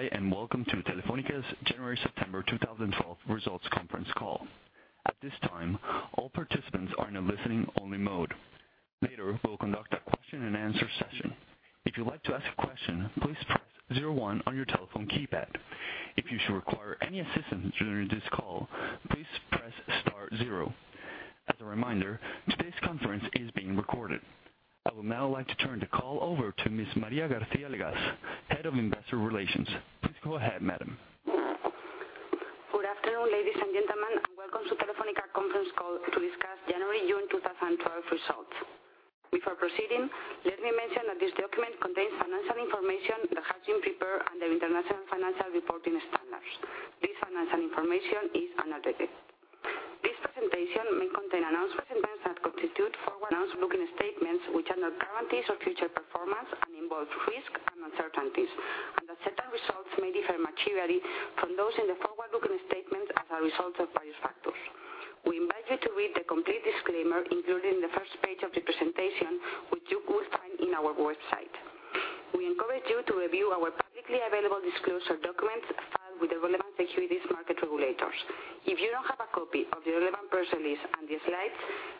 Hi, and welcome to Telefónica's January-September 2012 results conference call. At this time, all participants are in a listening only mode. Later, we'll conduct a question and answer session. If you'd like to ask a question, please press 01 on your telephone keypad. If you should require any assistance during this call, please press star zero. As a reminder, today's conference is being recorded. I would now like to turn the call over to Ms. María García-Legaz, Head of Investor Relations. Please go ahead, madam. Good afternoon, ladies and gentlemen, and welcome to Telefónica conference call to discuss January-June 2012 results. Before proceeding, let me mention that this document contains financial information that has been prepared under International Financial Reporting Standards. This financial information is unaudited. This presentation may contain announcements and events that constitute forward-looking statements, which are not guarantees of future performance and involve risks and uncertainties, and that certain results may differ materially from those in the forward-looking statements as a result of various factors. We invite you to read the complete disclaimer included in the first page of the presentation, which you will find in our website. We encourage you to review our publicly available disclosure documents filed with the relevant securities market regulators. If you don't have a copy of the relevant press release and the slides,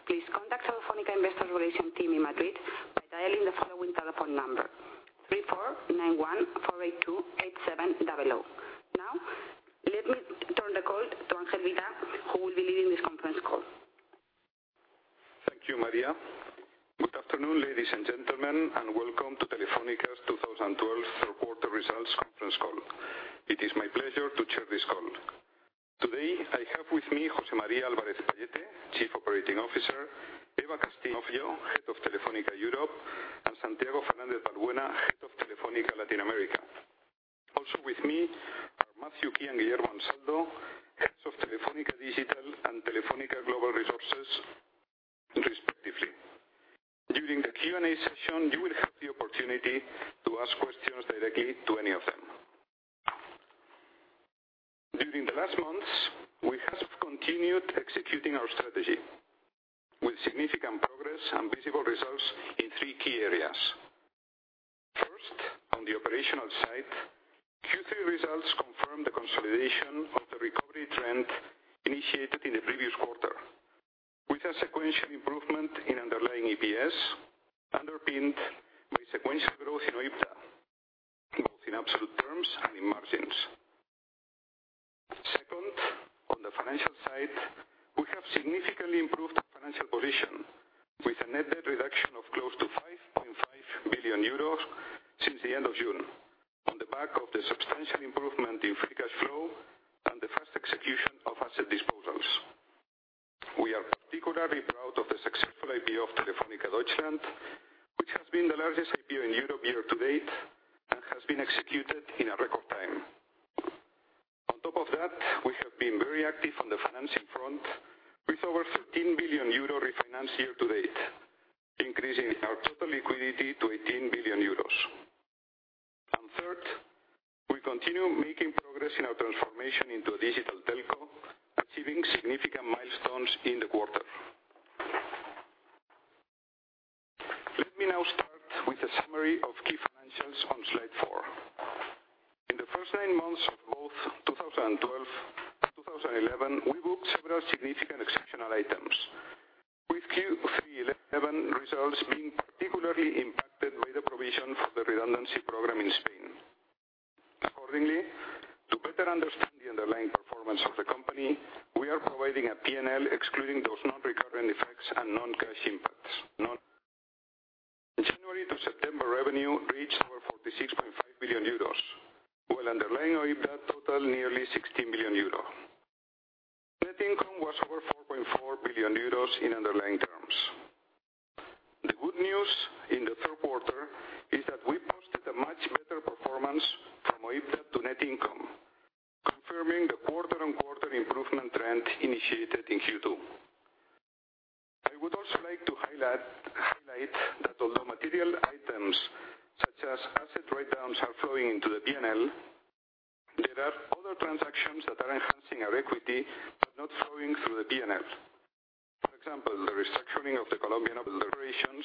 please contact Telefónica Investor Relations team in Madrid by dialing the following telephone number, 34 91 482 8700. Now, let me turn the call to Ángel Vilá, who will be leading this conference call. Thank you, María. Good afternoon, ladies and gentlemen, and welcome to Telefónica's 2012 third quarter results conference call. It is my pleasure to chair this call. Today, I have with me José María Álvarez-Pallete, Chief Operating Officer, Eva Castillo, Head of Telefónica Europe, and Santiago Fernández Valbuena, Head of Telefónica Latin America. Also with me are Matthew Key and Guillermo Ansaldo, Heads of Telefónica Digital and Telefónica Global Resources, respectively. During the Q&A session, you will have the opportunity to ask questions directly to any of them. During the last months, we have continued executing our strategy with significant progress and visible results in three key areas. First, on the operational side, Q3 results confirm the consolidation of the recovery trend initiated in the previous quarter, with a sequential improvement in underlying EPS underpinned by sequential growth in OIBDA, both in absolute terms and in margins. Second, on the financial side, we have significantly improved our financial position with a net debt reduction of close to 5.5 billion euros since the end of June, on the back of the substantial improvement in free cash flow and the fast execution of asset disposals. We are particularly proud of the successful IPO of Telefónica Deutschland, which has been the largest IPO in Europe year to date and has been executed in a record time. On top of that, we have been very active on the financing front with over 13 billion euro refinance year to date, increasing our total liquidity to 18 billion euros. Third, we continue making progress in our transformation into a digital telco, achieving significant milestones in the quarter. Let me now start with a summary of key financials on slide four. In the first nine months of both 2012 and 2011, we booked several significant exceptional items, with Q3 '11 results being particularly impacted by the provision for the redundancy program in Spain. Accordingly, to better understand the underlying performance of the company, we are providing a P&L excluding those non-recurrent effects and non-cash impacts. January to September revenue reached over 46.5 billion euros, while underlying OIBDA totaled nearly 16 billion euros. Net income was over 4.4 billion euros in underlying terms. The good news in the third quarter is that we posted a much better performance from OIBDA to net income, confirming the quarter-on-quarter improvement trend initiated in Q2. I would also like to highlight that although material items such as asset write-downs are flowing into the P&L, there are other transactions that are enhancing our equity but not flowing through the P&L. For example, the restructuring of the Colombian operations,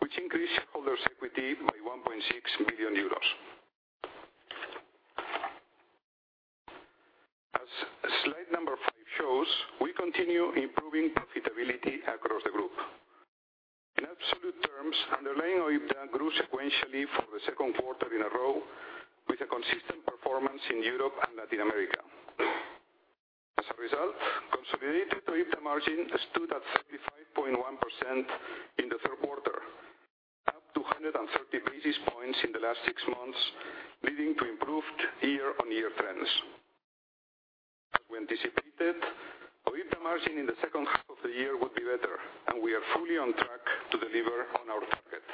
which increased shareholders' equity by 1.6 billion euros. As slide number five shows, we continue improving profitability across the group. In absolute terms, underlying OIBDA grew sequentially for the second quarter in a row with a consistent performance in Europe and Latin America. As a result, consolidated OIBDA margin stood at 35.1% in the third quarter, up 230 basis points in the last six months, leading to improved year-on-year trends. As we anticipated, OIBDA margin in the second half of the year would be better, and we are fully on track to deliver on our target.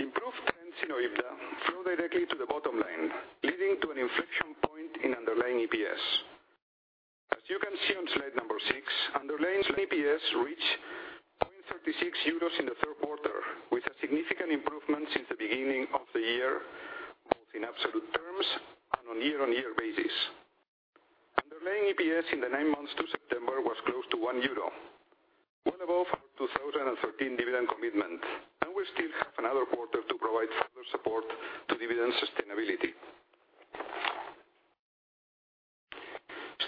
Improved trends in OIBDA flow directly to the bottom line, leading to an inflection point in underlying EPS. As you can see on slide number six, underlying EPS reached 0.36 euros in the third quarter, with a significant improvement since the beginning of the year, both in absolute terms and on year-on-year basis. EPS in the nine months to September was close to 1 euro, well above our 2013 dividend commitment, and we still have another quarter to provide further support to dividend sustainability.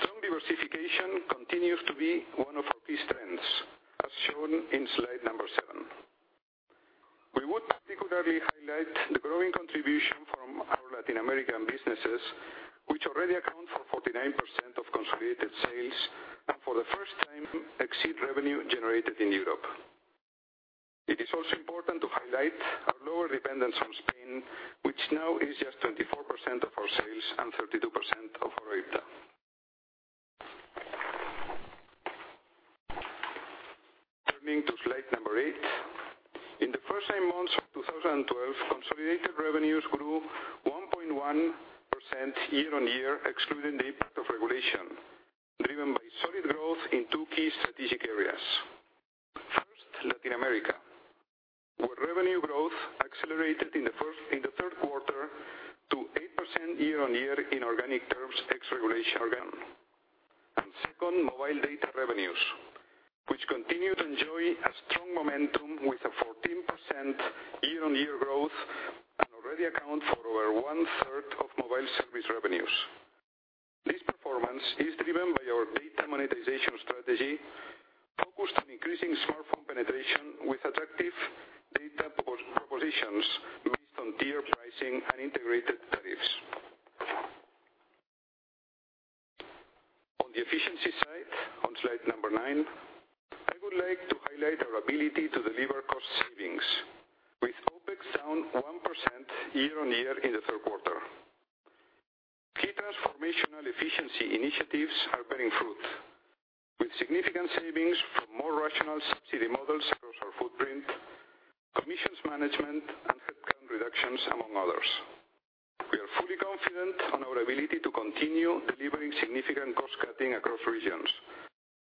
Strong diversification continues to be one of our key strengths, as shown in slide number seven. We would particularly highlight the growing contribution from our Latin American businesses, which already account for 49% of consolidated sales, and for the first time, exceed revenue generated in Europe. It is also important to highlight our lower dependence on Spain, which now is just 24% of our sales and 32% of our OIBDA. Turning to slide number eight. In the first nine months of 2012, consolidated revenues grew 1.1% year-on-year, excluding the impact of regulation, driven by solid growth in two key strategic areas. First, Latin America, where revenue growth accelerated in the third quarter to 8% year-on-year in organic terms, ex regulation again. Second, mobile data revenues, which continue to enjoy a strong momentum with a 14% year-on-year growth and already account for over one-third of mobile service revenues. This performance is driven by our data monetization strategy, focused on increasing smartphone penetration with attractive data propositions based on tier pricing and integrated tariffs. On the efficiency side, on slide number nine, I would like to highlight our ability to deliver cost savings, with OpEx down 1% year-on-year in the third quarter. Key transformational efficiency initiatives are bearing fruit, with significant savings from more rational subsidy models across our footprint, commissions management, and headcount reductions, among others. We are fully confident on our ability to continue delivering significant cost cutting across regions,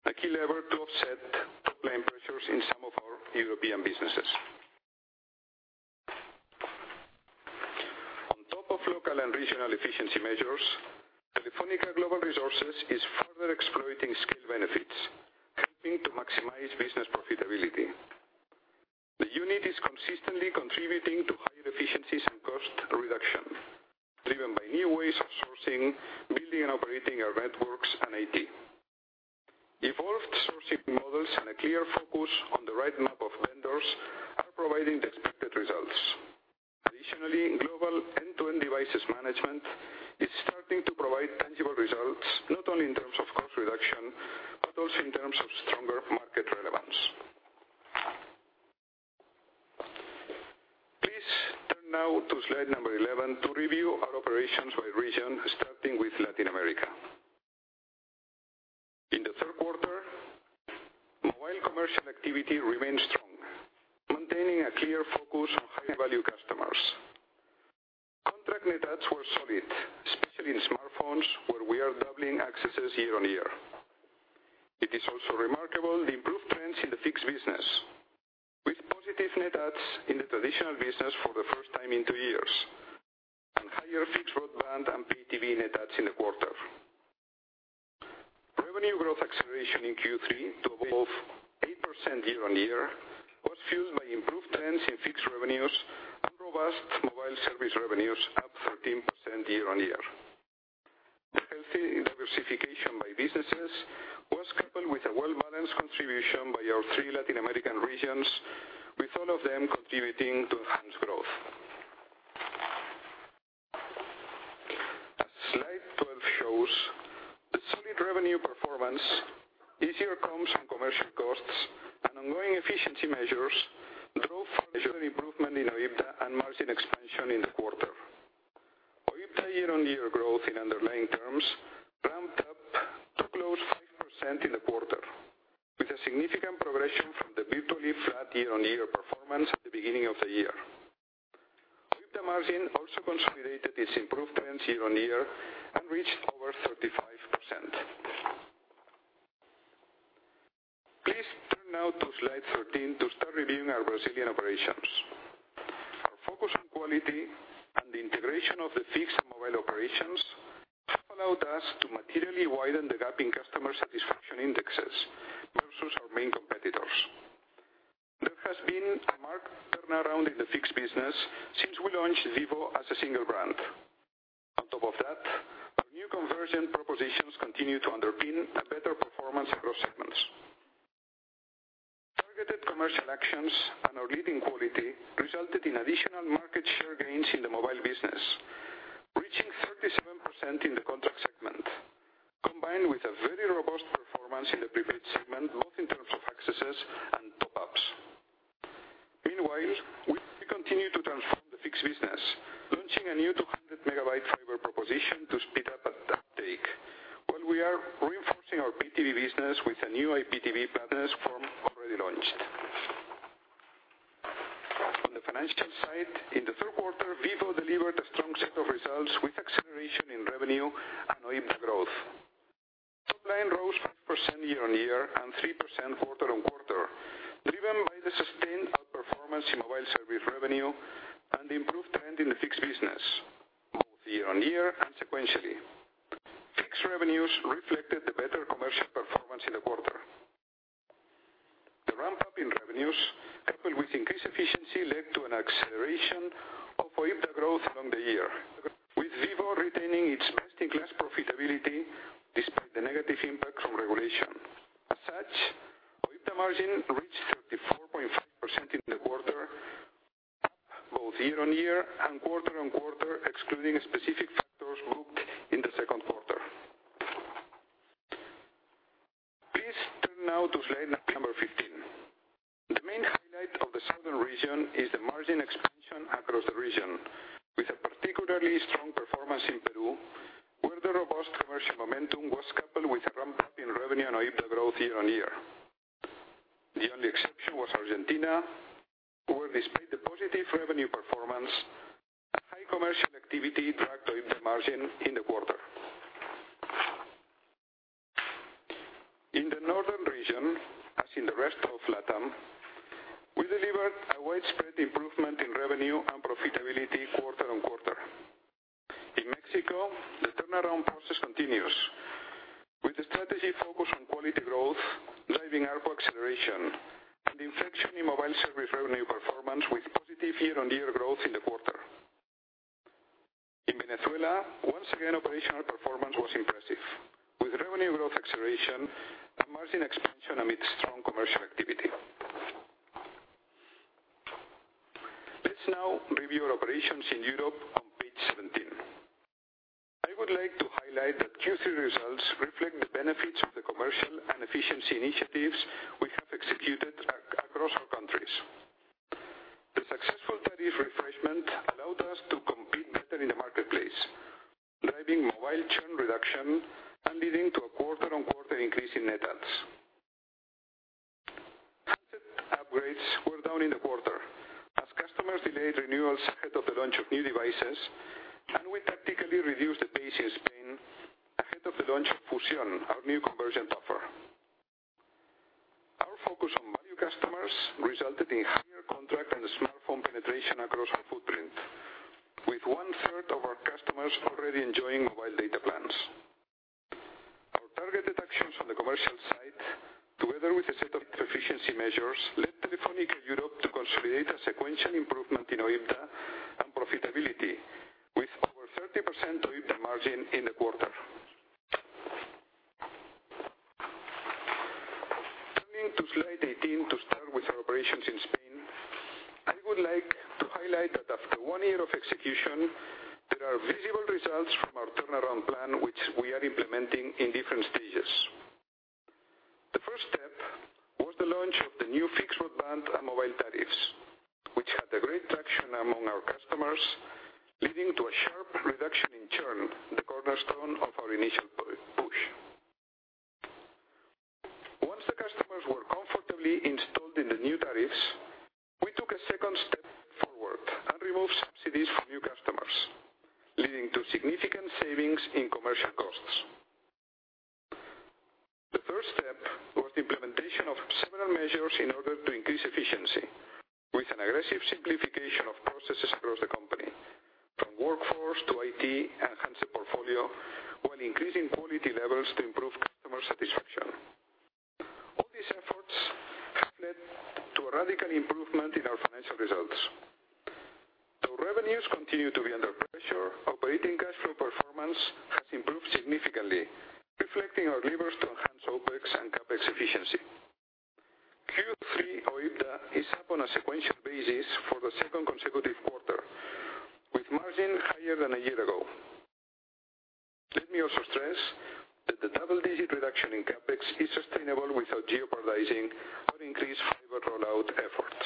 a key lever to offset top line pressures in some of our European businesses. On top of local and regional efficiency measures, Telefónica Global Resources is further exploiting scale benefits, helping to maximize business profitability. The unit is consistently contributing to higher efficiencies and cost reduction, driven by new ways of sourcing, building and operating our networks and IT. Evolved sourcing models and a clear focus on the right map of vendors are providing the expected results. Additionally, global end-to-end devices management is starting to provide tangible results, not only in terms of cost reduction, but also in terms of stronger market relevance. Please turn now to slide number 11 to review our operations by region, starting with Latin America. In the third quarter, mobile commercial activity remained strong, maintaining a clear focus on high-value customers. Contract net adds were solid, especially in smartphones, where we are doubling accesses year-on-year. It is also remarkable the improved trends in the fixed business, with positive net adds in the traditional business for the first time in two years, and higher fixed broadband and PTV net adds in the quarter. Revenue growth acceleration in Q3 to above 8% year-on-year was fueled by improved trends in fixed revenues and robust mobile service revenues, up 13% year-on-year. Healthy diversification by businesses was coupled with a well-balanced contribution by our three Latin American regions, with all of them contributing to enhanced growth. As slide 12 shows, the solid revenue performance, easier comms on commercial costs, and ongoing efficiency measures drove further improvement in OIBDA and margin expansion in the quarter. OIBDA year-on-year growth in underlying terms ramped up to close 5% in the quarter, with a significant progression from the virtually flat year-on-year performance at the beginning of the year. OIBDA margin also consolidated its improved trends year-on-year and reached over 35%. Please turn now to slide 13 to start reviewing our Brazilian operations. Our focus on quality and the integration of the fixed and mobile operations have allowed us to materially widen the gap in customer satisfaction indexes versus our main competitors. There has been a marked turnaround in the fixed business since we launched Vivo as a single brand. On top of that, our new convergent propositions continue to underpin a better performance across segments. Targeted commercial actions and our leading quality resulted in additional market share gains in the mobile business, reaching 37% in the contract segment, combined with a very robust performance in the prepaid segment, both in terms of accesses and top-ups. Meanwhile, we continue to transform the fixed business, launching a new 200 megabyte fiber proposition to speed up uptake, while we are reinforcing our PTV business with a new IPTV platform already launched. On the financial side, in the third quarter, Vivo delivered a strong set of results with acceleration in revenue and OIBDA growth. Top line rose 5% year-on-year and 3% quarter-on-quarter, driven by the sustained performance in mobile service revenue and the improved trend in the fixed business, both year-on-year and sequentially. Fixed revenues reflected the better commercial performance in the quarter. The ramp-up in revenues, coupled with increased efficiency, led to an acceleration of OIBDA growth along the year, with Vivo retaining its best-in-class profitability despite the negative impact from regulation. As such, OIBDA margin reached 34.5% in the quarter, both year-on-year and quarter-on-quarter, excluding specific ahead of the launch of Fusión, our new convergent offer. Our focus on value customers resulted in higher contract and smartphone penetration across our footprint, with one-third of our customers already enjoying mobile data plans. Our targeted actions on the commercial side, together with a set of efficiency measures, led Telefónica Europe to consolidate a sequential improvement in OIBDA and profitability, with over 30% OIBDA margin in the quarter. Turning to slide 18 to start with our operations in Spain, I would like to highlight that after one year of execution, there are visible results from our turnaround plan, which we are implementing in different stages. The first step was the launch of the new fixed broadband and mobile tariffs, which had a great traction among our customers, leading to a sharp reduction in churn, the cornerstone of our initial push. Once the customers were comfortably installed in the new tariffs, we took a second step forward and removed subsidies for new customers, leading to significant savings in commercial costs. The third step was the implementation of several measures in order to increase efficiency with an aggressive simplification of processes across the company, from workforce to IT, enhance the portfolio, while increasing quality levels to improve customer satisfaction. All these efforts have led to a radical improvement in our financial results. Though revenues continue to be under pressure, operating cash flow performance has improved significantly, reflecting our levers to enhance OpEx and CapEx efficiency. Q3 OIBDA is up on a sequential basis for the second consecutive quarter, with margin higher than a year ago. Let me also stress that the double-digit reduction in CapEx is sustainable without jeopardizing our increased fiber rollout efforts.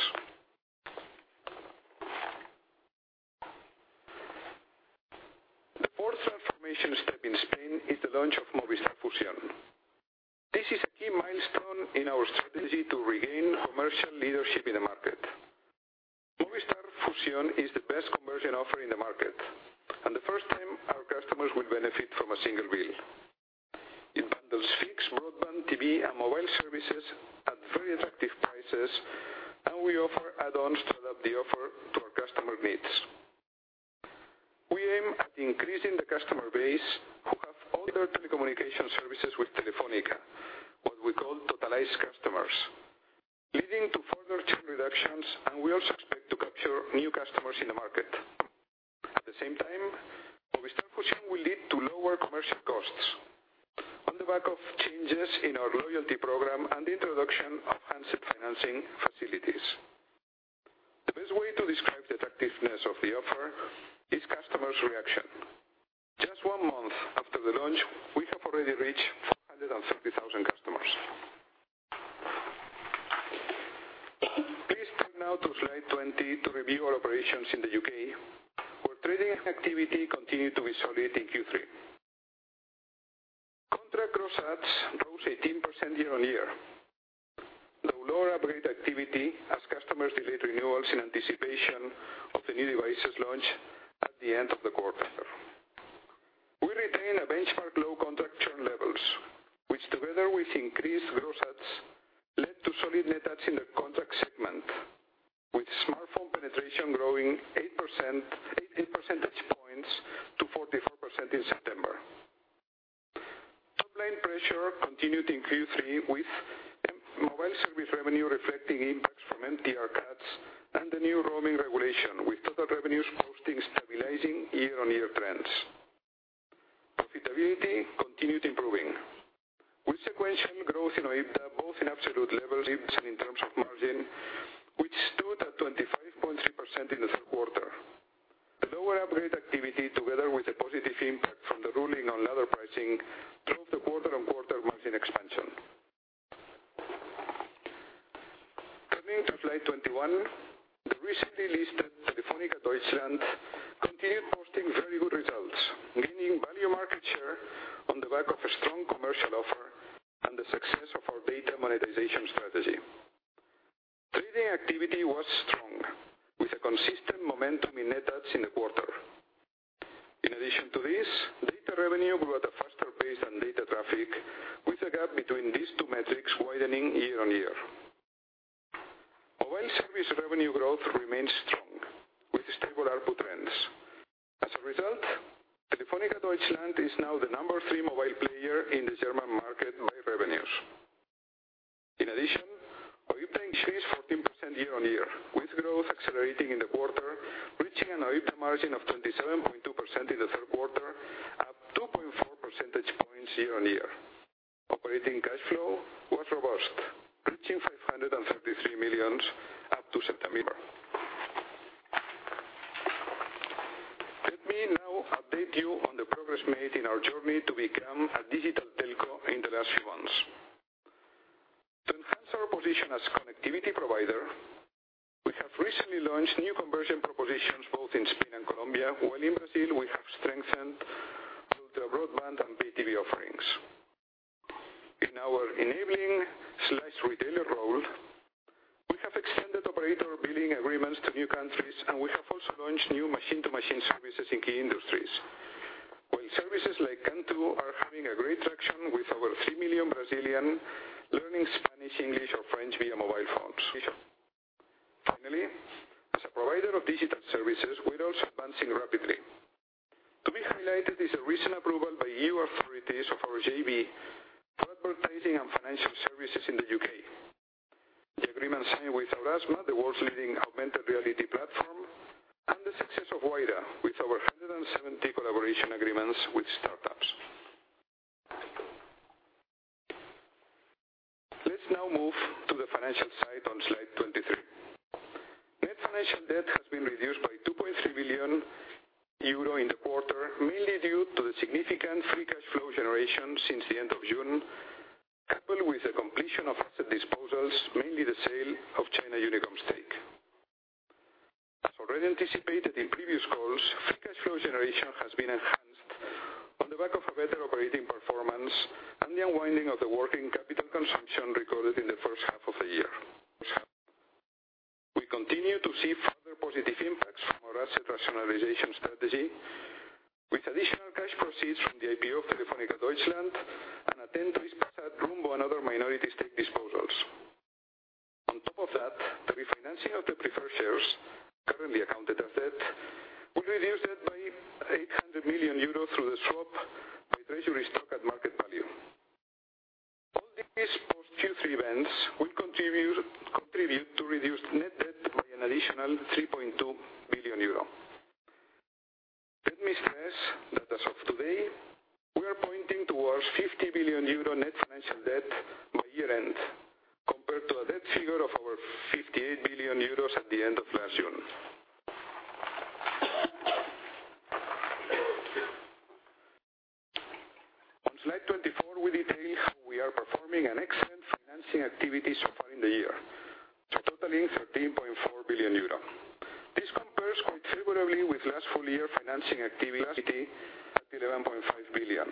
The fourth transformation step in Spain is the launch of Movistar Fusión. This is a key milestone in our strategy to regain commercial leadership in the market. Movistar Fusión is the best convergent offer in the market and the first time our customers will benefit from a single bill. It bundles fixed broadband, TV, and mobile services at very attractive prices, and we offer add-ons to adapt the offer to our customer needs. We aim at increasing the customer base who have all their telecommunication services with Telefónica, what we call totalized customers, leading to further churn reductions, and we also expect to capture new customers in the market. At the same time, Movistar Fusión will lead to lower commercial costs on the back of changes in our loyalty program and the introduction of handset financing facilities. The best way to describe the attractiveness of the offer is customers' reaction. Just one month after the launch, we have already reached 350,000 customers. Please turn now to slide 20 to review our operations in the U.K., where trading activity continued to be solid in Q3. Contract gross adds rose 18% year-on-year, though lower upgrade activity as customers delayed renewals in anticipation of the new devices launch at the end of the quarter. Together with increased gross adds led to solid net adds in the contract segment, with smartphone penetration growing 18 percentage points to 44% in September. Topline pressure continued in Q3 with mobile service revenue reflecting impacts from MTR cuts and the new roaming regulation, with total revenues posting stabilizing year-on-year trends. Profitability continued improving, with sequential growth in OIBDA, both in absolute levels and in terms of margin, which stood at 25.3% in the third quarter. The lower upgrade activity, together with the positive impact from the ruling on ladder pricing, drove the quarter-on-quarter margin expansion. Coming to slide 21, the recently listed Telefónica Deutschland continued posting very good results, gaining value market share on the back of a strong commercial offer and the success of our data monetization strategy. 3D activity was strong, with a consistent momentum in net adds in the quarter. In addition to this, data revenue grew at a faster pace than data traffic, with the gap between these two metrics widening year-on-year. Mobile service revenue growth remains strong, with stable ARPU trends. As a result, Telefónica Deutschland is now the number 3 mobile player in the German market by revenues. In addition, OIBDA increased 14% year-on-year, with growth accelerating in the quarter, reaching an OIBDA margin of 27.2% in the third quarter, up 2.4 percentage points year-on-year. Operating cash flow was robust, reaching 533 million up to September. Let me now update you on the progress made in our journey to become a digital telco in the last few months. To enhance our position as connectivity provider, we have recently launched new convergent propositions both in Spain and Colombia, while in Brazil, we have strengthened through the broadband and Pay TV offerings. In our enabling/retailer role, we have extended operator billing agreements to new countries, and we have also launched new machine-to-machine services in key industries. While services like Kantoo are having a great traction with over 3 million Brazilian learning Spanish, English, or French via mobile phones. Finally, as a provider of digital services, we're also advancing rapidly. To be highlighted is the recent approval by EU authorities of our JV for advertising and financial services in the U.K. The agreement signed with Aurasma, the world's leading augmented reality platform, and the success of Wayra, with over 170 collaboration agreements with startups. Let's now move to the financial side on slide 23. Net financial debt has been reduced by 2.3 billion euro in the quarter, mainly due to the significant free cash flow generation since the end of June, coupled with the completion of asset disposals, mainly the sale of China Unicom stake. As already anticipated in previous calls, free cash flow generation has been enhanced on the back of a better operating performance and the unwinding of the working capital consumption recorded in the first half of the year. We continue to see further positive impacts from our asset rationalization strategy, with additional cash proceeds from the IPO of Telefónica Deutschland and at 10% stake Rumbo and other minority stake disposals. On top of that, the refinancing of the preferred shares, currently accounted as debt, will reduce debt by 800 million euros through the swap by Treasury stock at market value. All these post Q3 events will contribute to reduced net debt by an additional 3.2 billion euro. Let me stress that as of today, we are pointing towards 50 billion euro net financial debt by year-end, compared to a debt figure of over 58 billion euros at the end of last June. On slide 24, we detail how we are performing an excellent financing activity so far in the year, totaling 13.4 billion euro. This compares quite favorably with last full year financing activity at 11.5 billion.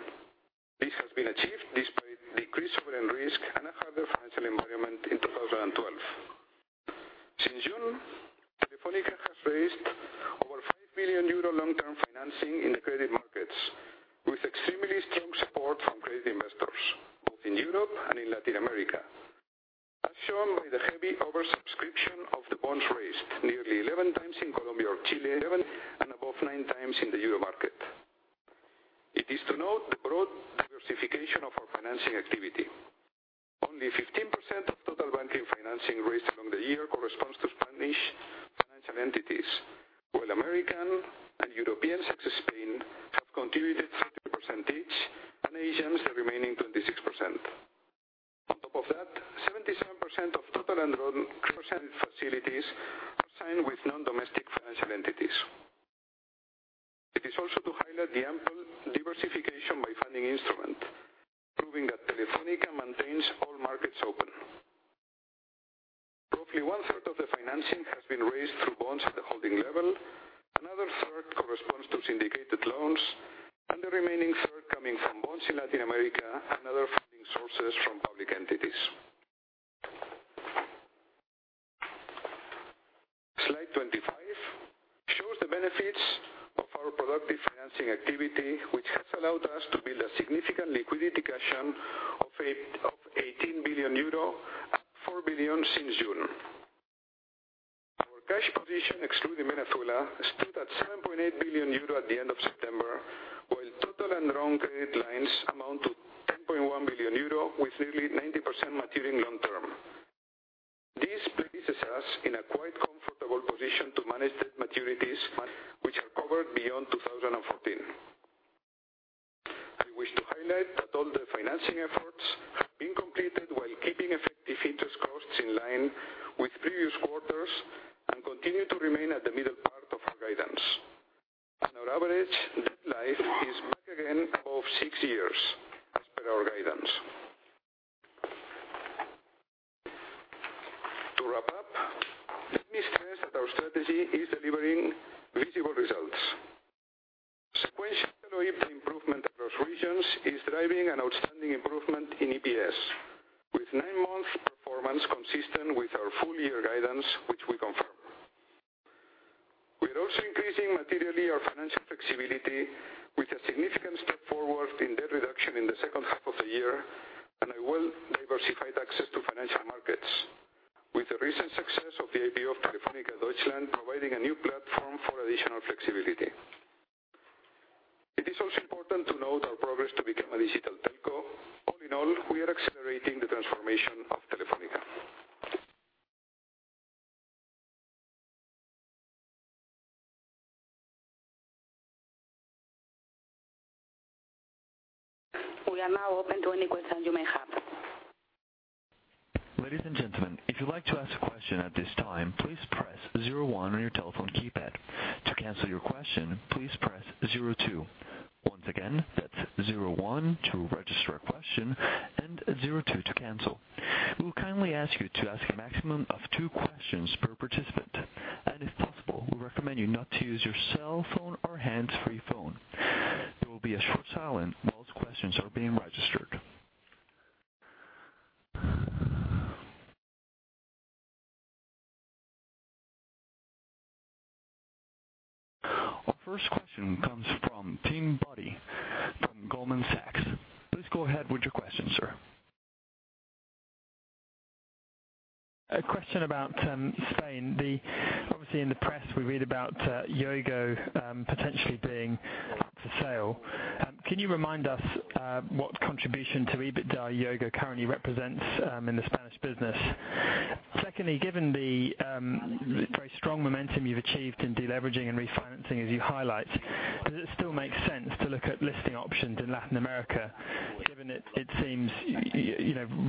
This has been achieved despite decreased sovereign risk and a harder financial environment in 2012. Since June, Telefónica has raised over 5 billion euro long term financing in the credit markets, with extremely strong support from credit investors, both in Europe and in Latin America, as shown by the heavy oversubscription of the bonds raised nearly 11 times in Colombia or Chile, and above nine times in the Euro market. It is to note the broad diversification of our financing activity. Only 15% of total banking financing raised along the year corresponds to Spanish financial entities, while American and European, such as Spain, have contributed 30% each, and Asians, the remaining 26%. On top of that, 77% of total undrawn facilities are signed with non-domestic financial entities. It is also to highlight the ample diversification by funding instrument, proving that Telefónica maintains all markets open. Roughly one third of the financing has been raised through bonds at the holding level, another third corresponds to syndicated loans, and the remaining third coming from bonds in Latin America and other funding sources. Productive financing activity, which has allowed us to build a significant liquidity cushion of 18 billion euro, and 4 billion since June. Our cash position, excluding Venezuela, stood at 7.8 billion euro at the end of September, while total and drawn credit lines amount to 10.1 billion euro, with nearly 90% maturing long-term. This places us in a quite comfortable position to manage debt maturities which are covered beyond 2014. I wish to highlight that all the financing efforts have been completed while keeping effective interest costs in line with previous quarters and continue to remain at the middle part of our guidance. Our average debt life is back again of six years, as per our guidance. To wrap up, let me stress that our strategy is delivering visible results. Sequential OIBDA improvement across regions is driving an outstanding improvement in EPS, with nine months' performance consistent with our full year guidance, which we confirm. We're also increasing materially our financial flexibility with a significant step forward in debt reduction in the second half of the year, and a well-diversified access to financial markets, with the recent success of the IPO of Telefónica Deutschland, providing a new platform for additional flexibility. It is also important to note our progress to become a digital telco. All in all, we are accelerating the transformation of Telefónica. We are now open to any questions you may have. Ladies and gentlemen, if you'd like to ask a question at this time, please press 01 on your telephone keypad. To cancel your question, please press 02. Once again, that's 01 to register a question and 02 to cancel. We will kindly ask you to ask a maximum of two questions per participant, and if possible, we recommend you not to use your cell phone or hands-free phone. There will be a short silence while questions are being registered. Our first question comes from Tim Boddy from Goldman Sachs. Please go ahead with your question, sir. A question about Spain. Obviously, in the press, we read about Yoigo potentially being up for sale. Can you remind us what contribution to EBITDA Yoigo currently represents in the Spanish business? Secondly, given the very strong momentum you've achieved in de-leveraging and refinancing, as you highlight, does it still make sense to look at listing options in Latin America? Given it seems,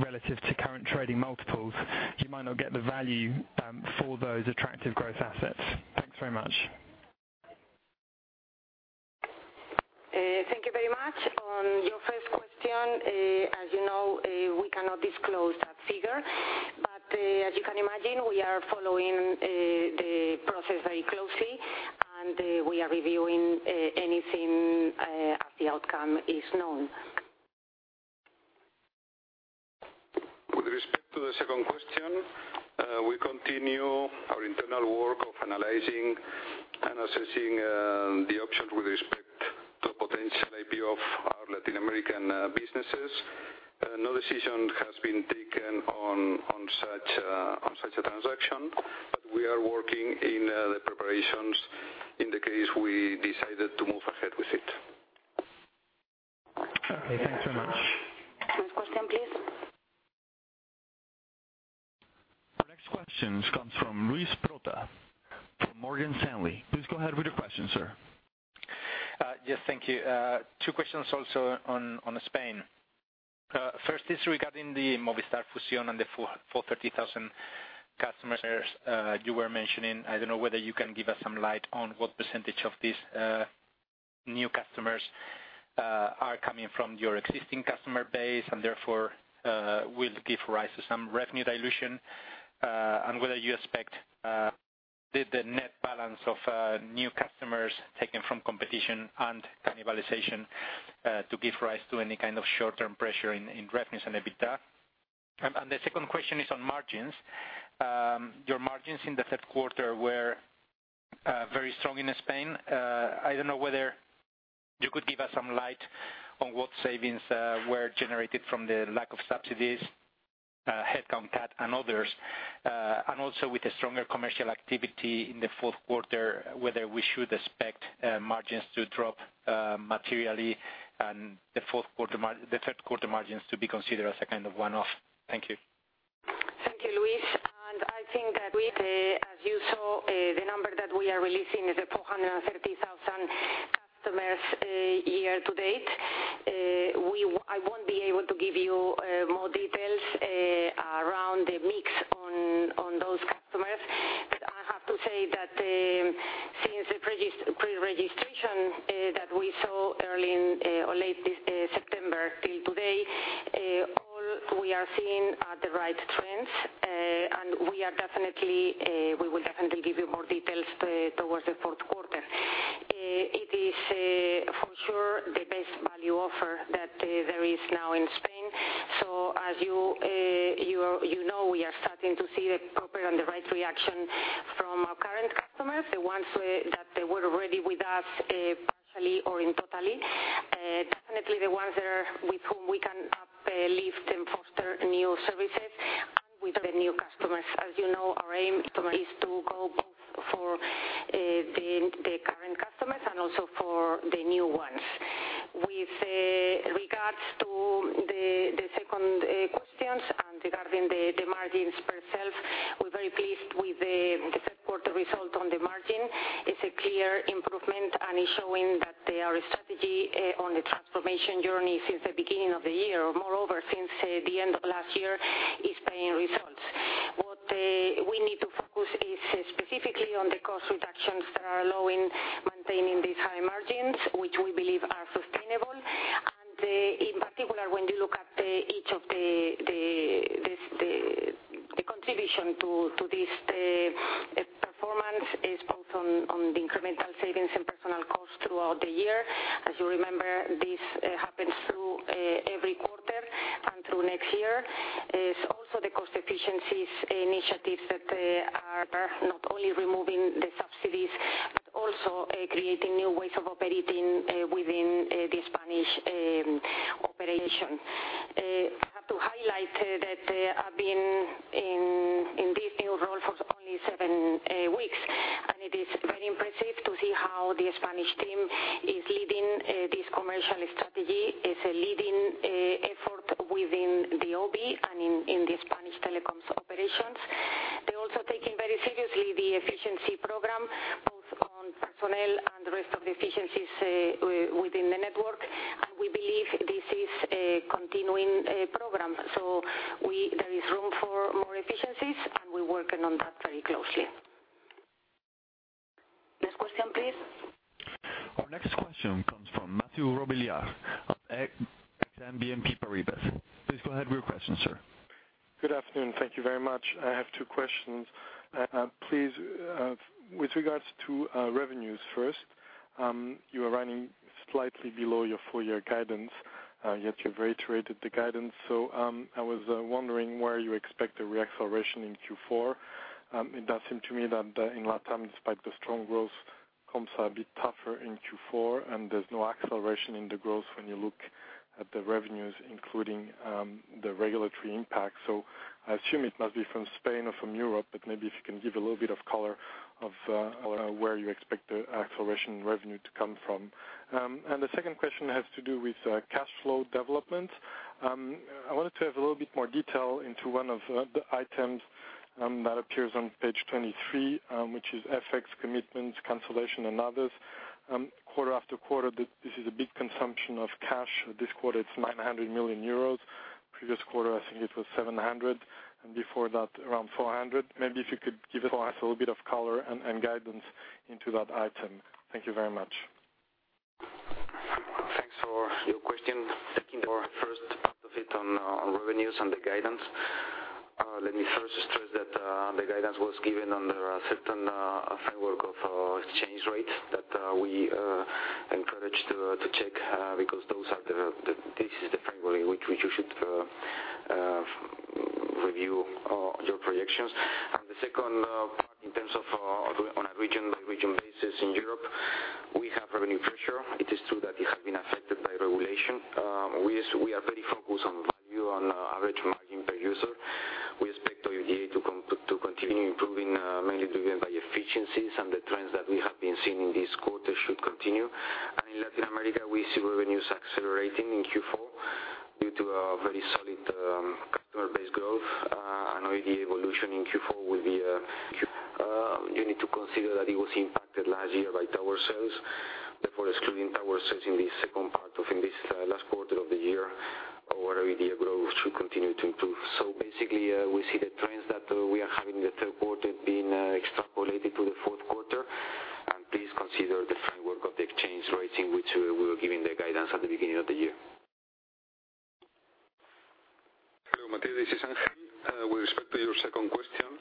relative to current trading multiples, you might not get the value for those attractive growth assets. Thanks very much. Thank you very much. On your first question, as you know, we cannot disclose that figure, but as you can imagine, we are following the process very closely, and we are reviewing anything as the outcome is known. With respect to the second question, we continue our internal work of analyzing and assessing the options with respect to potential IPO of our Latin American businesses. No decision has been taken on such a transaction, but we are working in the preparations in the case we decided to move ahead with it. Okay, thanks so much. Next question, please. The next question comes from Luis Prota from Morgan Stanley. Please go ahead with your question, sir. Yes, thank you. Two questions also on Spain. First is regarding the Movistar Fusión and the 430,000 customers you were mentioning. I don't know whether you can give us some light on what % of these new customers are coming from your existing customer base and therefore will give rise to some revenue dilution, and whether you expect the net balance of new customers taken from competition and cannibalization to give rise to any kind of short-term pressure in revenues and EBITDA. The second question is on margins. Your margins in the third quarter were very strong in Spain. I don't know whether you could give us some light on what savings were generated from the lack of subsidies, headcount cut, and others. Also with a stronger commercial activity in the fourth quarter, whether we should expect margins to drop materially and the third quarter margins to be considered as a kind of one-off. Thank you. Thank you, Luis. I think that as you saw, the number that we are releasing is the 430,000 customers year to date. I will not be able to give you more details around the mix on those customers. I have to say that since the pre-registration that we saw late September till today, all we are seeing are the right trends, and we will definitely give you more details towards the fourth quarter. For the best value offer that there is now in Spain. As you know, we are starting to see the proper and the right reaction from our current customers, the ones that they were already with us partially or in totally. Definitely the ones with whom we can uplift and foster new services, and with the new customers. As you know, our aim is to go both for the current customers and also for the new ones. With regards to the second questions and regarding the margins per se, we are very pleased with the second quarter result on the margin. It is a clear improvement and is showing that our strategy on the transformation journey since the beginning of the year, moreover, since the end of last year, is paying results. What we need to focus is specifically on the cost reductions that are allowing maintaining these high margins, which we believe are sustainable. In particular, when you look at each of the contribution to this performance is both on the incremental savings and personal costs throughout the year. As you remember, this happens through every quarter and through next year. It is also the cost efficiencies initiatives that are not only removing the subsidies, but also creating new ways of operating within the Spanish operation. I have to highlight that I have been in this new role for only seven weeks, and it is very impressive to see how the Spanish team is leading this commercial strategy, is leading effort within the OIBDA and in the Spanish telecoms operations. They are also taking very seriously the efficiency program, both on personnel and the rest of the efficiencies within the network. We believe this is a continuing program. There is room for more efficiencies, and we are working on that very closely. Next question, please. Our next question comes from Mathieu Robilliard of Exane BNP Paribas. Please go ahead with your question, sir. Good afternoon. Thank you very much. I have two questions. Please, with regards to revenues first. You are running slightly below your full year guidance, yet you've reiterated the guidance. I was wondering where you expect a re-acceleration in Q4. It does seem to me that in LatAm, despite the strong growth, comps are a bit tougher in Q4, and there's no acceleration in the growth when you look at the revenues, including the regulatory impact. I assume it must be from Spain or from Europe, but maybe if you can give a little bit of color of where you expect the acceleration revenue to come from. The second question has to do with cash flow development. I wanted to have a little bit more detail into one of the items that appears on page 23, which is FX commitments, cancellation, and others. Quarter after quarter, this is a big consumption of cash. This quarter, it's 900 million euros. Previous quarter, I think it was 700 million. Before that, around 400 million. Maybe if you could give us a little bit of color and guidance into that item. Thank you very much. Thanks for your question. Taking your first part of it on revenues and the guidance. Let me first stress that the guidance was given under a certain framework of exchange rate that we encourage to check, because this is the framework in which you should review your projections. The second part in terms of on a region basis in Europe, we have revenue pressure. It is true that it has been affected by regulation. We are very focused on value on average margin per user. We expect OIBDA to continue improving, mainly driven by efficiencies and the trends that we have been seeing in this quarter should continue. In Latin America, we see revenues accelerating in Q4 due to a very solid customer base growth. OIBDA evolution in Q4. You need to consider that it was impacted last year by tower sales. Therefore, excluding tower sales in the second part of this last quarter of the year, our OIBDA growth should continue to improve. Basically, we see the trends that we are having in the third quarter being extrapolated to the fourth quarter. Please consider the framework of the exchange rates in which we were giving the guidance at the beginning of the year. Hello, Matthew. This is Ángel. With respect to your second question.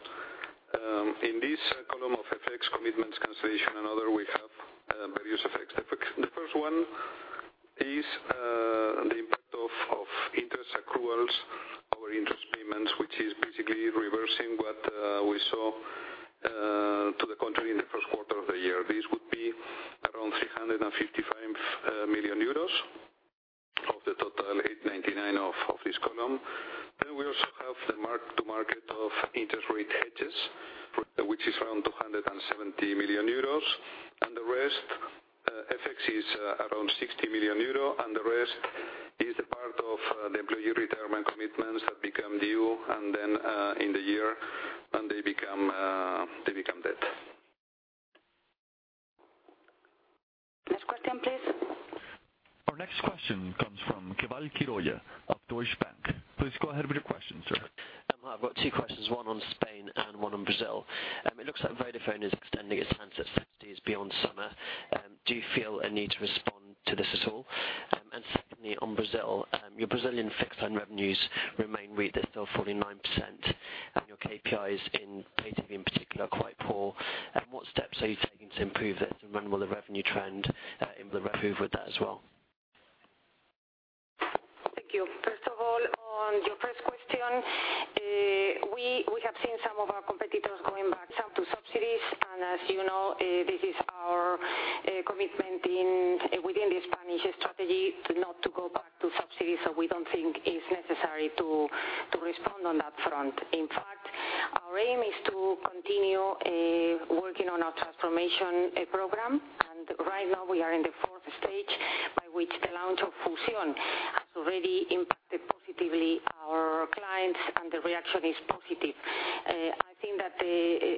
In this column of FX commitments, cancellation, and other, we have various effects. The first one is the impact of interest accruals over interest payments, which is basically reversing what we saw to the contrary in the first quarter of the year. This would be around 355 million euros of the total 899 of this column. We also have the mark to market of interest rate hedges, which is around 270 million euros. The rest FX is around 60 million euros, and the rest is the part of the employee retirement commitments that become due, in the year, and they become debt. Next question, please. Our next question comes from Keval Khiroya of Deutsche Bank. Please go ahead with your question, sir. I've got two questions, one on Spain and one on Brazil. It looks like Vodafone is extending its handset subsidies beyond summer. Do you feel a need to respond to this at all? Brazilian fixed line revenues remain weak. They're still falling 9%. Your KPIs in Pay TV, in particular, are quite poor. What steps are you taking to improve this? When will the revenue trend improve with that as well? Thank you. First of all, on your first question, we have seen some of our competitors going back to subsidies, and as you know, this is our commitment within the Spanish strategy, not to go back to subsidies. We don't think it's necessary to respond on that front. In fact, our aim is to continue working on our transformation program. Right now, we are in the 4 stage, by which the launch of Fusión has already impacted positively our clients, and the reaction is positive. I think that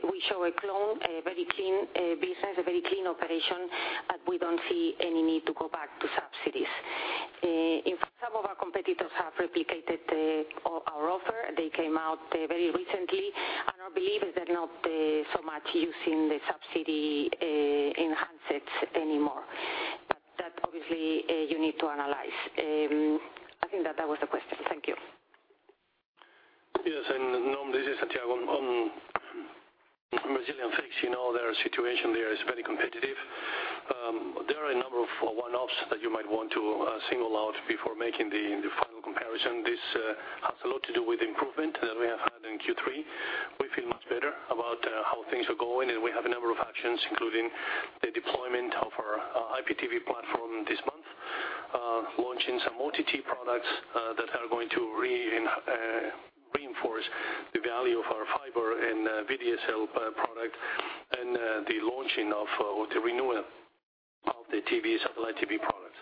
we show a very clean business, a very clean operation, and we don't see any need to go back to subsidies. In fact, some of our competitors have replicated our offer. They came out very recently, and our belief is they're not so much using the subsidy handsets anymore. That obviously, you need to analyze. I think that that was the question. Thank you. Yes, this is Santiago. Brazilian fixed, you know their situation there is very competitive. There are a number of one-offs that you might want to single out before making the final comparison. This has a lot to do with the improvement that we have had in Q3. We feel much better about how things are going, and we have a number of actions, including the deployment of our IPTV platform this month, launching some OTT products that are going to reinforce the value of our fiber and VDSL product, and the renewal of the satellite TV product.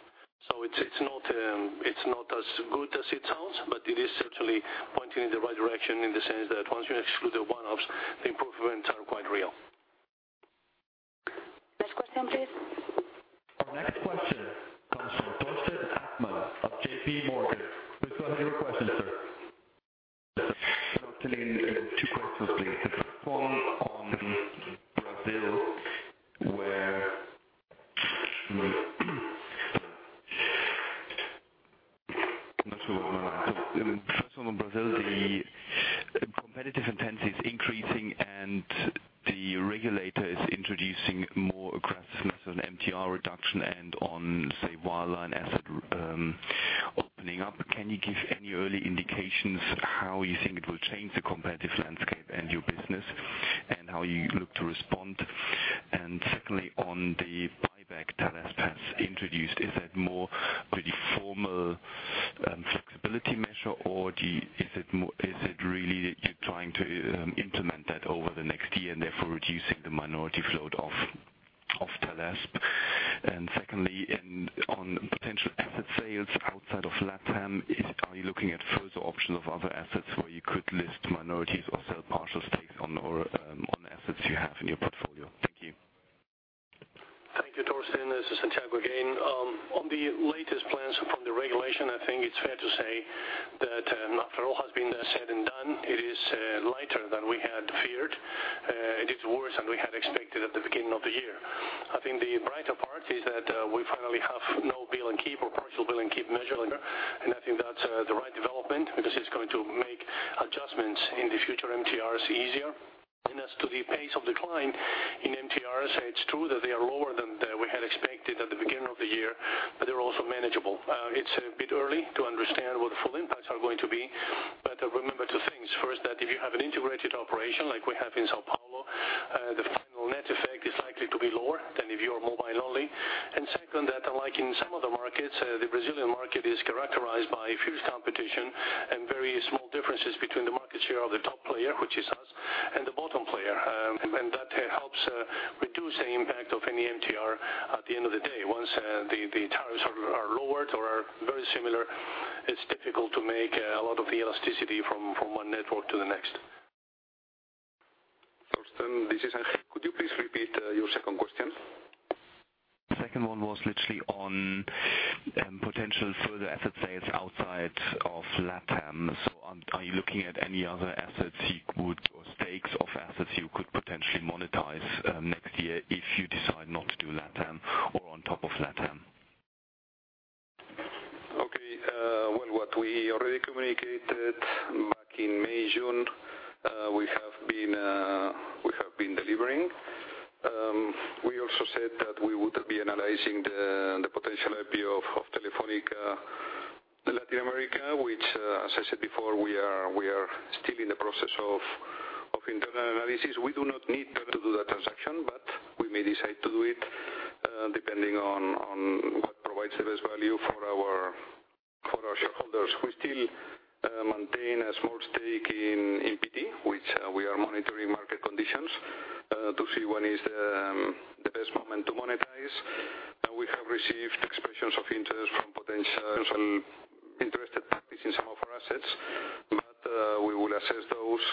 It's not as good as it sounds, but it is certainly pointing in the right direction in the sense that once you exclude the one-offs, the improvements are quite real. Next question, please. Our next question comes from Torsten Achtmann of JPMorgan. Please go ahead with your question, sir. Torsten. Two questions, please. The first one on Brazil, the competitive intensity is increasing, and the regulator is introducing more aggressiveness on MTR reduction and on, say, wireline asset opening up. Can you give any early indications how you think it will change the competitive landscape and your business and how you look to respond? Secondly, on the buyback Telesp has introduced, is that more pretty formal flexibility measure, or is it really that you're trying to implement that over the next year and therefore reducing the minority float off Telesp? Secondly, on potential asset sales outside of LatAm, are you looking at further options of other assets where you could list minorities or sell partial stakes on assets you have in your portfolio? Thank you. Thank you, Torsten. This is Santiago again. On the latest plans from the regulation, I think it's fair to say that after all has been said and done, it is lighter than we had feared. It is worse than we had expected at the beginning of the year. I think the brighter part is that we finally have no bill and keep or partial bill and keep measure anymore, and I think that's the right development. This is going to make adjustments in the future MTRs easier. As to the pace of decline in MTRs, it's true that they are lower than we had expected at the beginning of the year, but they're also manageable. It's a bit early to understand what the full impacts are going to be, but remember two things. First, that if you have an integrated operation like we have in São Paulo, the final net effect is likely to be lower than if you are mobile only. Second, that unlike in some other markets, the Brazilian market is characterized by fierce competition and very small differences between the market share of the top player, which is us, and the bottom player. That helps reduce the impact of any MTR at the end of the day. Once the tariffs are lowered or are very similar, it's difficult to make a lot of elasticity from one network to the next. Torsten, this is Ángel. Could you please repeat your second question? Second one was literally on potential further asset sales outside of LatAm. Are you looking at any other assets or stakes of assets you could potentially monetize next year if you decide not to do LatAm or on top of LatAm? Okay. Well, what we already communicated back in May, June, we have been delivering. We also said that we would be analyzing the potential IPO of Telefónica Latinoamérica, which, as I said before, we are still in the process of internal analysis. We do not need to do that transaction, but we may decide to do it, depending on what provides the best value for our shareholders. We still maintain a small stake in PT, which we are monitoring market conditions to see when is the best moment to monetize. We have received expressions of interest from potential interested parties in some of our assets. We will assess those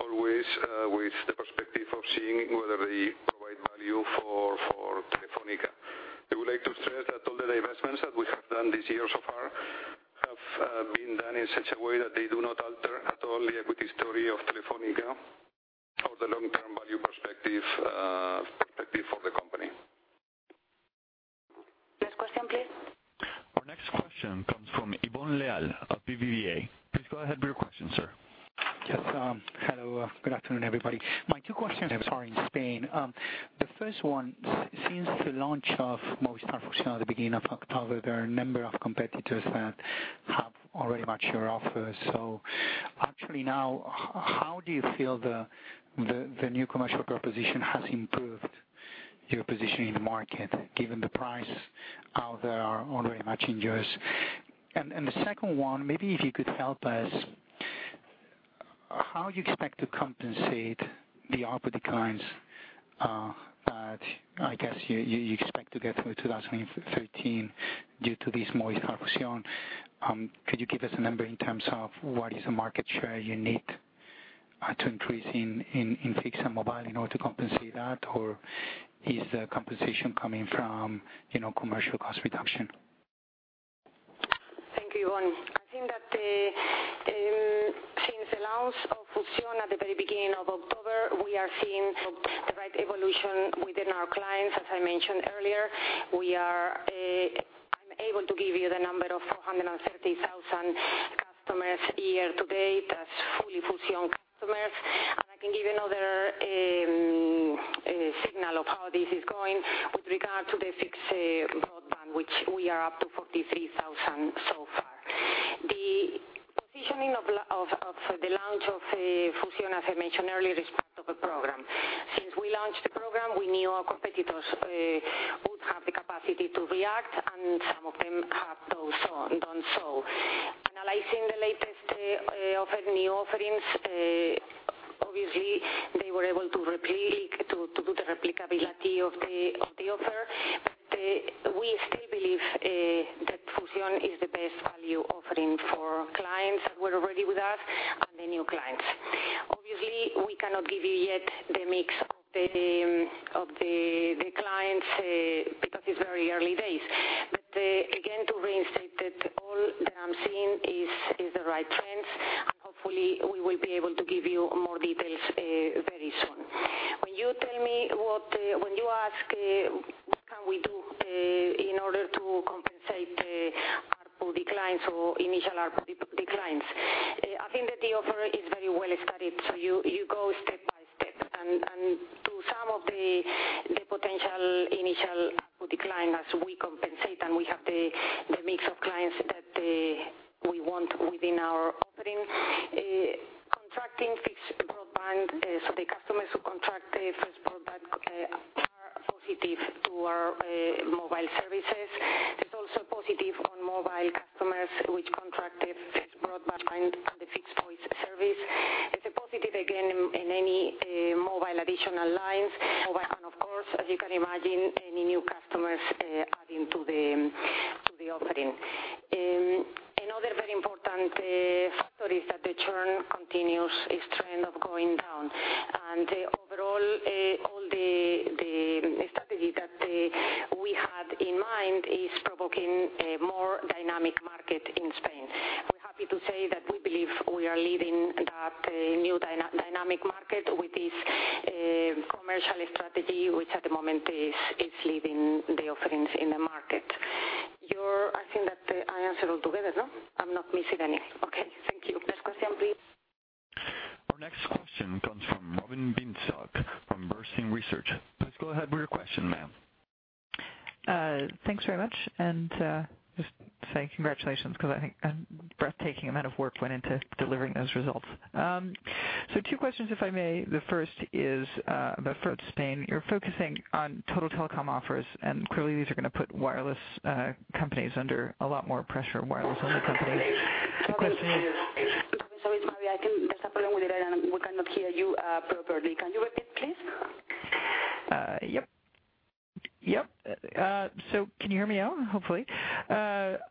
always with the perspective of seeing whether they provide value for Telefónica. I would like to stress that all the divestments that we have done this year so far have been done in such a way that they do not alter at all the equity story of Telefónica. Next question, please. Our next question comes from Ivón Leal of BBVA. Please go ahead with your question, sir. Yes. Hello, good afternoon, everybody. My two questions are in Spain. The first one, since the launch of Movistar at the beginning of October, there are a number of competitors that have already matched your offer. Actually now, how do you feel the new commercial proposition has improved your position in the market, given the price out there are already matching yours? The second one, maybe if you could help us, how you expect to compensate the ARPU declines that I guess you expect to get through 2013 due to this Movistar Fusión. Could you give us a number in terms of what is the market share you need to increase in fixed and mobile in order to compensate that? Or is the compensation coming from commercial cost reduction? Thank you, Ivón. I think that since the launch of Fusión at the very beginning of October, we are seeing the right evolution within our clients. As I mentioned earlier, I am able to give you the number of 430,000 customers year to date, that is fully Fusión customers. I can give another signal of how this is going with regard to the fixed broadband, which we are up to 43,000 so far. The positioning of the launch of Fusión, as I mentioned earlier, is part of a program. Since we launched the program, we knew our competitors would have the capacity to react, and some of them have done so. Analyzing the latest new offerings, obviously, they were able to do the replicability of the offer. We still believe that Fusión is the best value offering for clients that were already with us and the new clients. Obviously, we cannot give you yet the mix of the clients, because it is very early days. Again, to reinstate that all that I am seeing is the right trends, and hopefully, we will be able to give you more details very soon. When you ask what can we do in order to compensate ARPU declines or initial ARPU declines, I think that the offer is very well studied. You go step by step. And to some of the potential initial ARPU decline as we compensate and we have the mix of clients that we want within our offering. Contracting fixed broadband, so the customers who contract fixed broadband are positive to our mobile services. It is also positive on mobile customers which contracted fixed broadband and the fixed voice service. It is a positive again in any mobile additional lines. Of course, as you can imagine, any new customers adding to the offering. Another very important factor is that the churn continues its trend of going down. And overall, all the strategy that we had in mind is provoking a more dynamic market in Spain. We are happy to say that we believe we are leading that new dynamic market with this commercial strategy, which at the moment is leading the offerings in the market. I think that I answered all together, no? I am not missing any. Okay. Thank you. Next question, please. Our next question comes from Robin Bienenstock from Bernstein Research. Please go ahead with your question, ma'am. Thanks very much. Just say congratulations, because I think a breathtaking amount of work went into delivering those results. Two questions, if I may. The first is about Spain. You're focusing on total telecom offers, and clearly these are going to put wireless companies under a lot more pressure, wireless-only companies. Sorry, Robin. There's a problem with the line, and we cannot hear you properly. Can you repeat, please? Yep. Can you hear me now? Hopefully.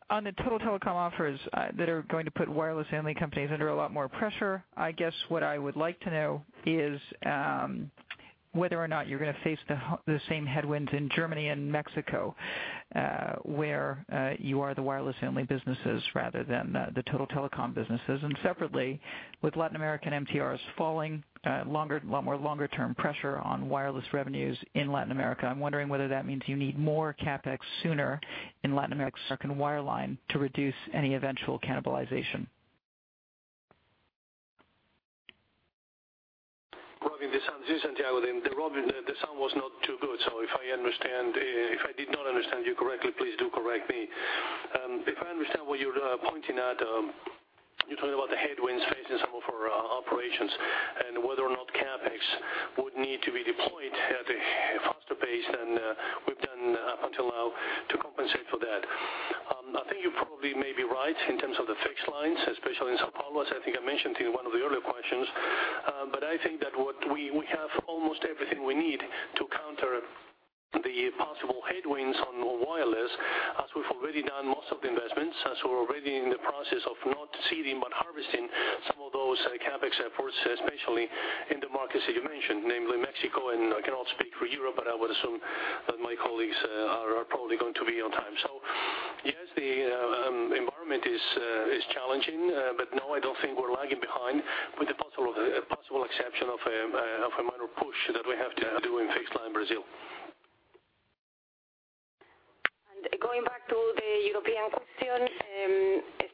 On the total telecom offers that are going to put wireless-only companies under a lot more pressure, I guess what I would like to know is whether or not you're going to face the same headwinds in Germany and Mexico, where you are the wireless-only businesses rather than the total telecom businesses. Separately, with Latin American MTRs falling, a lot more longer term pressure on wireless revenues in Latin America. I'm wondering whether that means you need more CapEx sooner in Latin America and wireline to reduce any eventual cannibalization. Robin, this is Santiago. Robin, the sound was not too good. If I did not understand you correctly, please do correct me. If I understand what you're pointing at, you're talking about the headwinds facing some of our operations and whether or not CapEx would need to be deployed at a faster pace than we've done up until now to compensate for that. I think you probably may be right in terms of the fixed lines, especially in São Paulo, as I think I mentioned in one of the earlier questions. I think that we have almost everything we need to counter the possible headwinds on wireless, as we've already done most of the investments, as we're already in the process of not seeding, but harvesting some of those CapEx efforts, especially in the markets that you mentioned, namely Mexico. I cannot speak for Europe, but I would assume that my colleagues are probably going to be on time. Yes, the environment is challenging, but no, I don't think we're lagging behind with the possible exception of a minor push that we have to do in fixed line Brazil. Going back to the European question,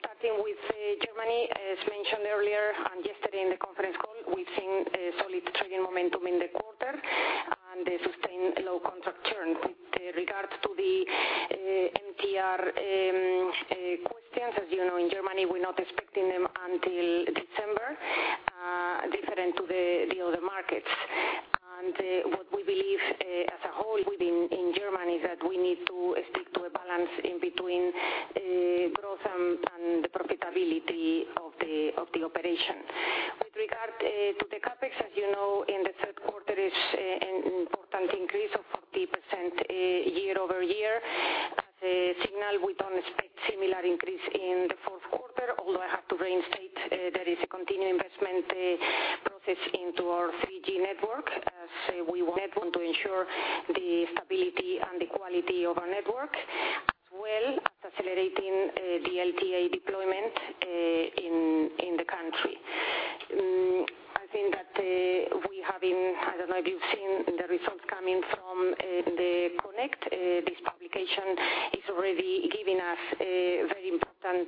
starting with Germany, as mentioned earlier and yesterday in the conference call, we've seen a solid trading momentum in the quarter and a sustained low contract churn. With regards to the MTR questions, as you know, in Germany, we're not expecting them until December, different to the other markets. What we believe as a whole within Germany, that we need to stick to a balance in between growth and the profitability of the operation. With regard to the CapEx, as you know, in the third quarter is an important increase of 40% year-over-year. As a signal, we don't expect similar increase in the fourth quarter, although I have to reinstate, there is a continuing investment process into our 3G network, as we want to ensure the stability and the quality of our network, as well as accelerating the LTE deployment in the country. I think that we have been, I don't know if you've seen the results coming from the Connect. This publication is already giving us very important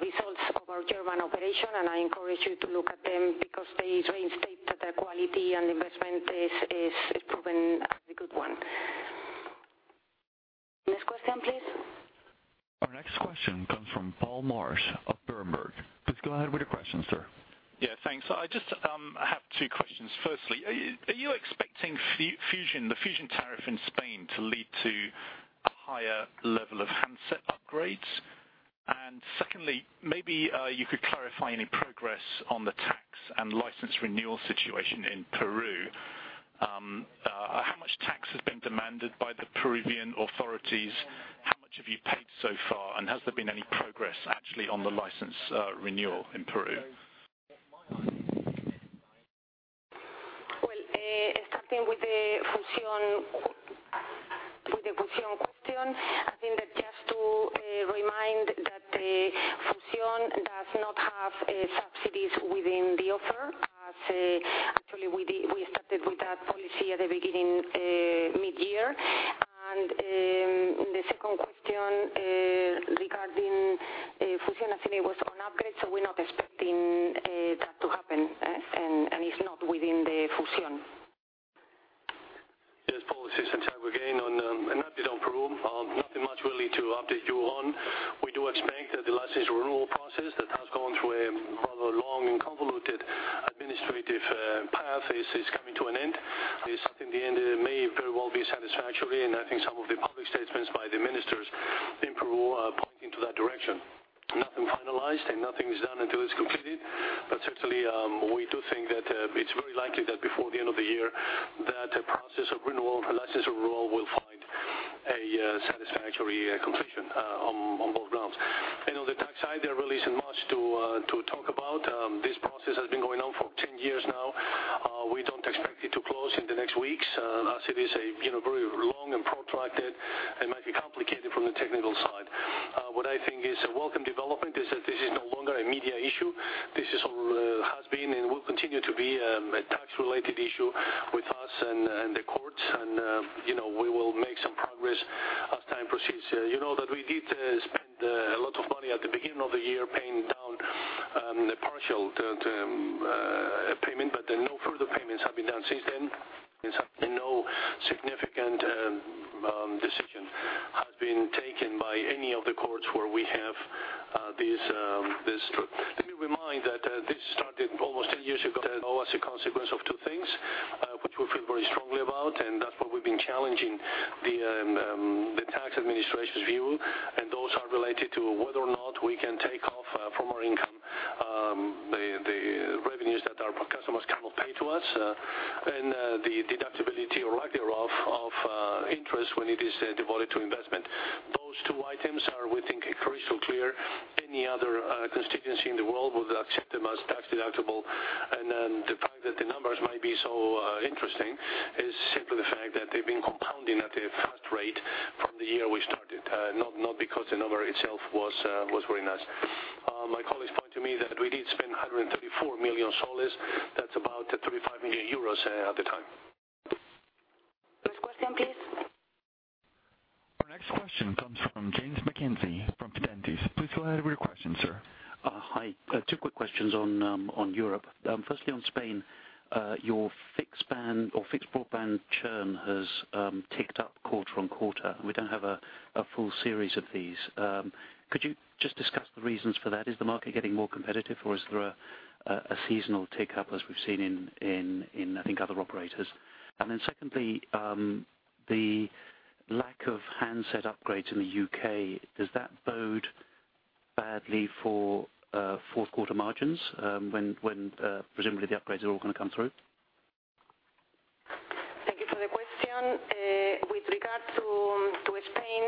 results of our German operation. I encourage you to look at them because they reinstate that the quality and investment is proven a very good one. Next question, please. Our next question comes from Paul Marsch of Berenberg. Please go ahead with your question, sir. Thanks. I just have two questions. Firstly, are you expecting the Fusión tariff in Spain to lead to a higher level of handset upgrades? Secondly, maybe you could clarify any progress on the tax and license renewal situation in Peru. How much tax has been demanded by the Peruvian authorities? How much have you paid so far, and has there been any progress actually on the license renewal in Peru? Well, starting with the Fusión question, I think that just to remind that Fusión does not have subsidies within the offer, as actually we started with that policy at the beginning mid-year. The second question, regarding Fusión, I think it was on upgrade, so we're not expecting that No significant decision has been taken by any of the courts where we have this. Let me remind that this started almost 10 years ago as a consequence of two things, which we feel very strongly about, and that's why we've been challenging the tax administration's view. Those are related to whether or not we can take off from our income, the revenues that our customers cannot pay to us, and the deductibility or lack thereof of interest when it is devoted to investment. Those 2 items are, we think, crystal clear. Any other constituency in the world would accept them as tax deductible. The fact that the numbers might be so interesting is simply the fact that they've been compounding at a fast rate from the year we started, not because the number itself was very nice. My colleagues point to me that we did spend 134 million PEN. That's about 35 million euros at the time. Next question, please. Our next question comes from James McKenzie from Fidentiis. Please go ahead with your question, sir. Hi. 2 quick questions on Europe. Firstly, on Spain, your fixed broadband churn has ticked up quarter-on-quarter. We don't have a full series of these. Could you just discuss the reasons for that? Is the market getting more competitive, or is there a seasonal tick up as we've seen in, I think, other operators? Secondly, the lack of handset upgrades in the U.K., does that bode badly for Q4 margins when presumably the upgrades are all going to come through? Thank you for the question. With regard to Spain,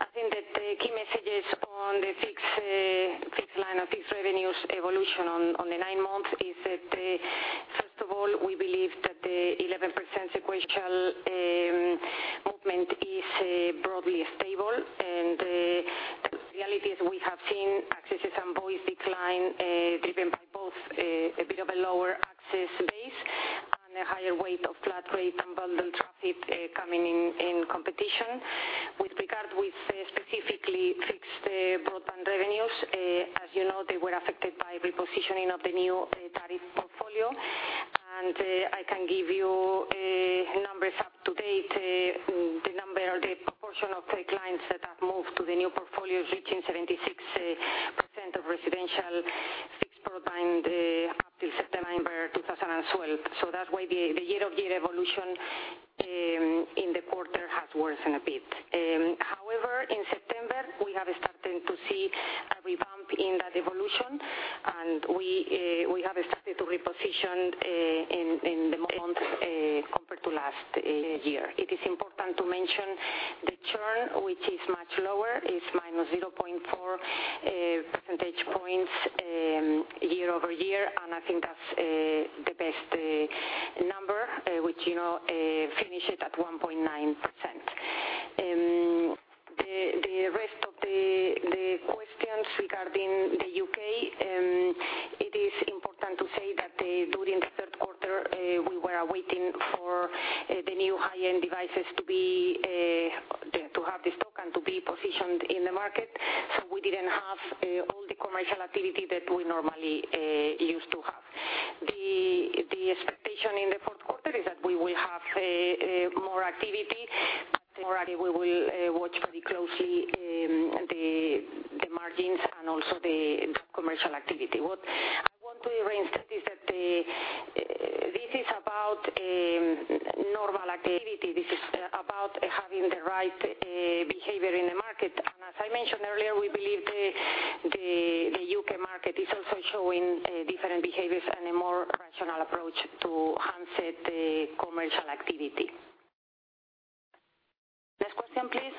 I think that the key messages on the fixed fixed revenues evolution on the nine months is that first of all, we believe that the 11% sequential movement is broadly stable, and the reality is we have seen accesses and voice decline, driven by both a bit of a lower access base and a higher weight of flat rate and bundled traffic coming in competition. With regard with specifically fixed broadband revenues, as you know, they were affected by repositioning of the new tariff portfolio. I can give you numbers up to date. The number or the proportion of clients that have moved to the new portfolio is reaching 76% of residential fixed broadband up till September 2012. That's why the year-over-year evolution in the quarter has worsened a bit. However, in September, we have started to see a revamp in that evolution, and we have started to reposition in the month compared to last year. It is important to mention the churn, which is much lower, is minus 0.4 percentage points year-over-year, I think that's the best number, which finishes at 1.9%. The rest of the questions regarding the U.K., it is important to say that during the third quarter, we were waiting for the new high-end devices to have the stock and to be positioned in the market. We didn't have all the commercial activity that we normally used to have. The expectation in the fourth quarter is that we will have more activity. We will watch very closely the margins and also the commercial activity. What I want to reinstate is that this is about normal activity. This is about having the right behavior in the market. As I mentioned earlier, we believe the U.K. market is also showing different behaviors and a more rational approach to handset commercial activity. Next question, please.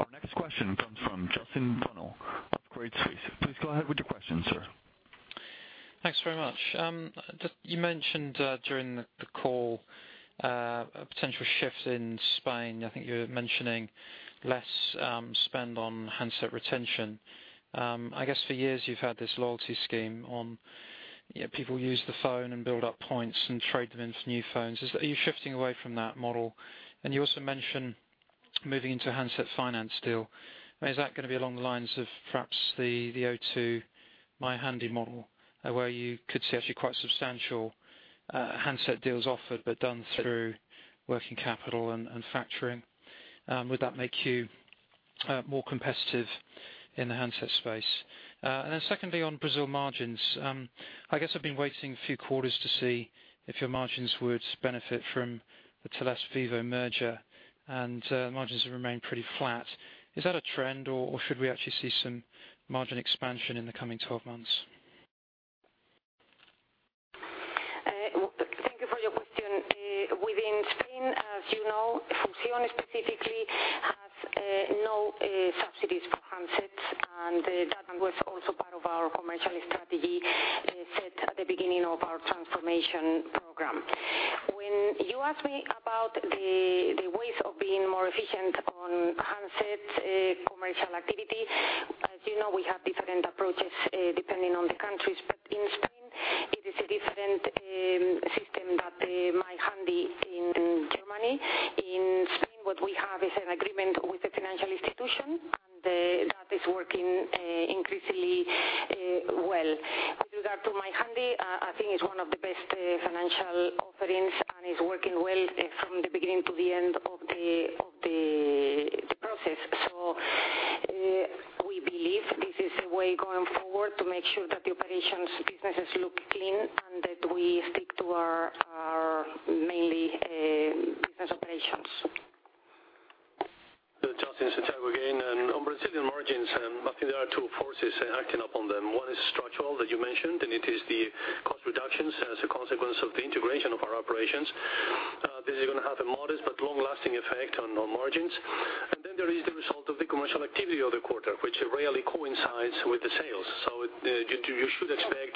Our next question comes from Justin Funnell of Credit Suisse. Please go ahead with your question, sir. Thanks very much. You mentioned during the call a potential shift in Spain. I think you were mentioning less spend on handset retention. I guess for years you've had this loyalty scheme on people use the phone and build up points and trade them in for new phones. Are you shifting away from that model? You also mentioned moving into handset finance deal. Is that going to be along the lines of perhaps the O2 My Handy model, where you could see actually quite substantial handset deals offered, but done through working capital and factoring? Would that make you more competitive in the handset space? Secondly, on Brazil margins, I guess I've been waiting a few quarters to see if your margins would benefit from the Telefônica Vivo merger. Margins have remained pretty flat. Is that a trend or should we actually see some margin expansion in the coming 12 months? Thank you for your question. Within Spain, as you know, Fusión specifically has no subsidies for handsets. That was also part of our commercial strategy set at the beginning of our transformation program. When you ask me about the ways of being more efficient on handset commercial activity, as you know, we have different approaches depending on the countries. In Spain, it is a different system than My Handy in Germany. In Spain, what we have is an agreement with the financial institution. That is working increasingly well. With regard to My Handy, I think it's one of the best financial offerings. It is working well from the beginning to the end of the process. We believe this is a way going forward to make sure that the operations businesses look clean and that we stick to our mainly business operations. Justin, it's Santiago again. On Brazilian margins, I think there are two forces acting up on them. One is structural that you mentioned. It is the cost reductions as a consequence of the integration of our operations. This is going to have a modest but long-lasting effect on our margins. There is the result of the commercial activity of the quarter, which rarely coincides with the sales. You should expect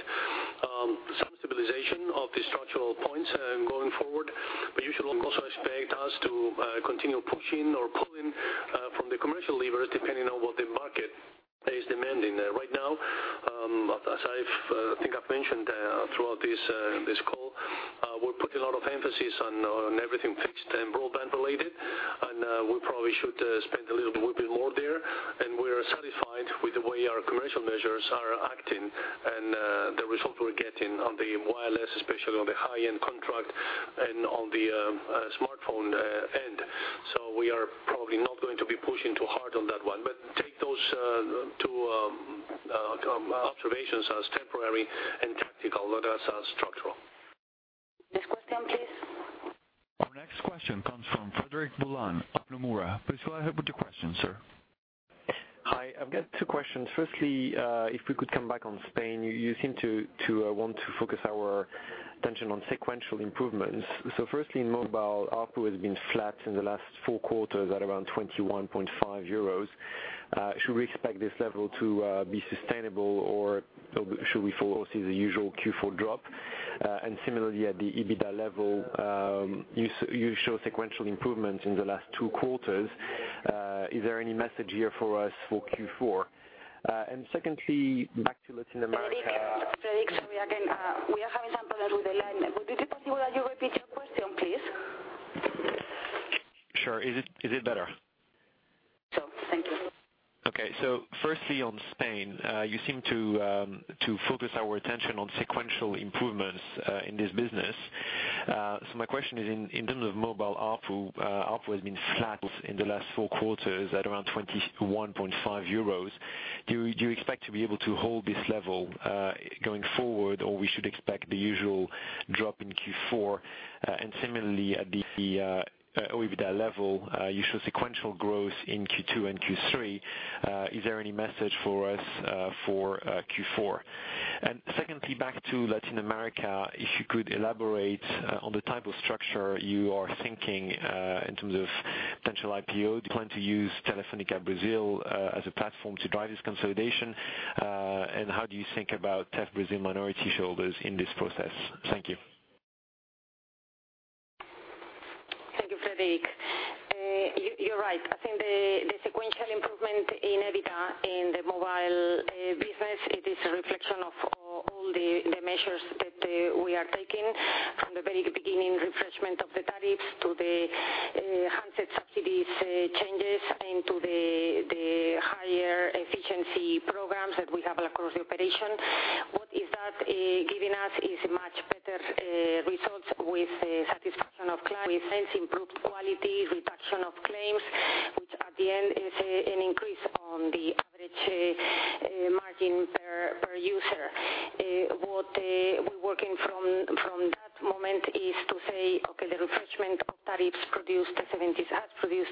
some stabilization of the structural points going forward. You should also expect us to continue pushing or pulling from the commercial levers depending on what the market is demanding. Right now, as I think I've mentioned throughout this call, we're putting a lot of emphasis on everything fixed and broadband related. We probably should spend a little bit more there. We're satisfied with the way our commercial measures are acting and the result we're getting on the wireless, especially on the high-end contract and on the smartphone end. We are probably not going to be pushing too hard on that one, but take those two observations as temporary and tactical rather than structural. Next question, please. Our next question comes from Frédéric Boulan of Nomura. Please go ahead with your question, sir. Hi, I've got two questions. Firstly, if we could come back on Spain, you seem to want to focus our attention on sequential improvements. Firstly, in mobile, ARPU has been flat in the last four quarters at around 21.5 euros. Should we expect this level to be sustainable or should we foresee the usual Q4 drop? Similarly, at the EBITDA level, you show sequential improvements in the last two quarters. Is there any message here for us for Q4? Secondly, back to Latin America. Frédéric, sorry again. We are having some problems with the line. Would it be possible that you repeat your question, please? Sure. Is it better? Thank you. Okay. Firstly, on Spain, you seem to focus our attention on sequential improvements in this business. My question is, in terms of mobile ARPU has been flat in the last four quarters at around 21.5 euros. Do you expect to be able to hold this level going forward, or we should expect the usual drop in Q4? Similarly, at the OIBDA level, you show sequential growth in Q2 and Q3. Is there any message for us for Q4? Secondly, back to Latin America, if you could elaborate on the type of structure you are thinking, in terms of potential IPO, do you plan to use Telefônica Brasil as a platform to drive this consolidation? How do you think about Telefônica Brasil minority shareholders in this process? Thank you. Thank you, Frédéric. You're right. I think the sequential improvement in OIBDA in the mobile business, it is a reflection of all the measures that we are taking from the very beginning, refreshment of the tariffs to the handset subsidies changes into the higher efficiency programs that we have across the operation. What is that giving us is much better results with the satisfaction of clients, improved qualities, reduction of claims, which at the end is an increase on the average margin per user. What we're working from that moment is to say, okay, the refreshment of tariffs produced a 76%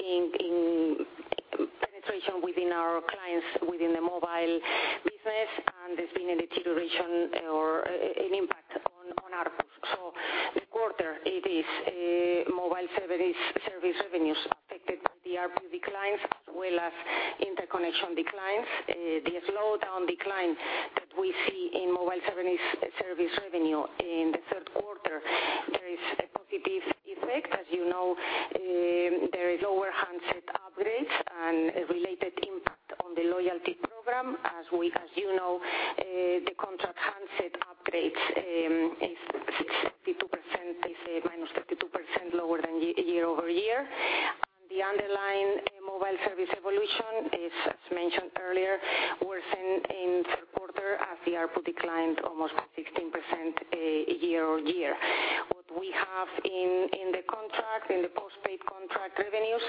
in penetration within our clients, within the mobile business, and there's been a deterioration or an impact on ARPU. The quarter, it is mobile service revenues affected by the ARPU declines as well as interconnection declines. The slowdown decline that we see in mobile service revenue in the third quarter, there is a positive effect. As you know, there is lower handset upgrades and related impact on the loyalty program. As you know, the contract handset upgrades is -32% lower than year-over-year. The underlying mobile service evolution is as mentioned earlier, worsened in third quarter as the ARPU declined almost 16% year-over-year. What we have in the contract, in the postpaid contract revenues,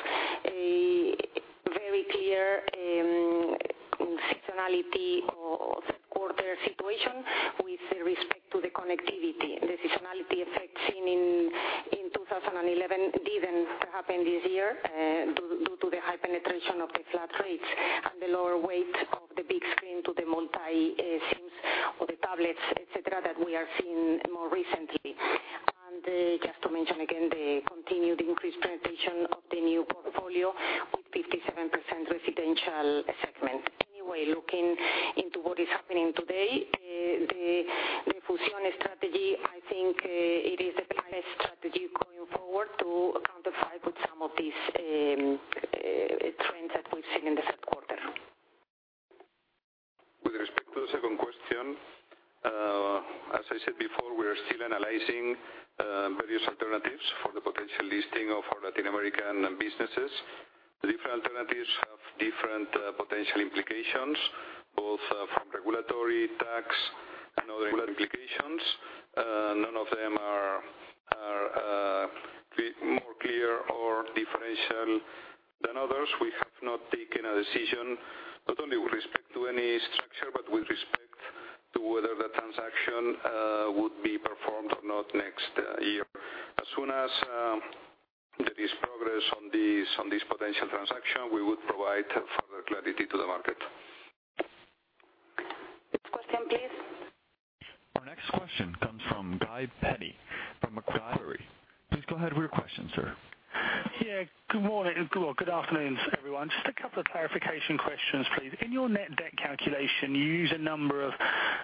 a very clear seasonality of quarter situation with respect to the connectivity. The seasonality effect seen in 2011 didn't happen this year, due to the high penetration of the flat rates and the lower weight of the big screen to the multi-SIMs or the tablets, et cetera, that we are seeing more recently. Just to mention again, the continued increased penetration of the new portfolio with 57% residential segment. Anyway, looking into what is happening today, the Fusión strategy, I think it is the best strategy going forward to counter five with some of these trends that we've seen in the third quarter. With respect to the second question, as I said before, we are still analyzing various alternatives for the potential listing of our Latin American businesses. Different alternatives have different potential implications, both from regulatory, tax, and other implications. None of them are more clear or differential than others. We have not taken a decision, not only with respect to any structure, but with respect to whether the transaction would be performed or not next year. As soon as there is progress on this potential transaction, we would provide further clarity to the market. Next question, please. Our next question comes from Guy Peddy from Macquarie. Please go ahead with your question, sir. Yeah. Good morning. Good afternoon, everyone. Just a couple of clarification questions, please. In your net debt calculation, you use a number of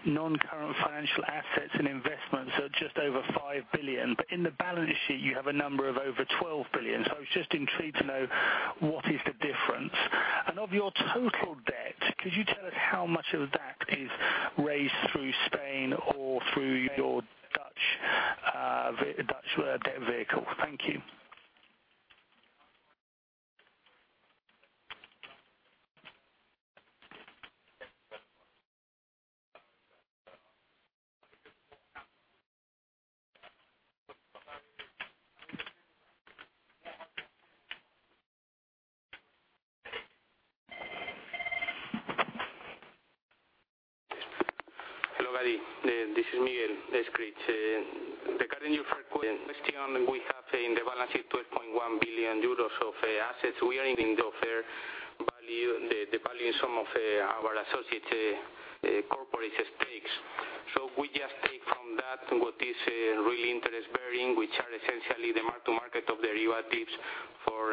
non-current financial assets and investments at just over 5 billion, but in the balance sheet, you have a number of over 12 billion. I was just intrigued to know what is the difference? And of your total debt, could you tell us how much of that is raised through Spain or through your Dutch debt vehicle? Thank you. Hello, Guy. This is Miguel Escrig. Regarding your question, we have in the balance sheet 12.1 billion euros of assets. We are including the fair value, the value in some of our associate corporate stakes. We just take What is really interest bearing, which are essentially the mark to market of the Euro tips for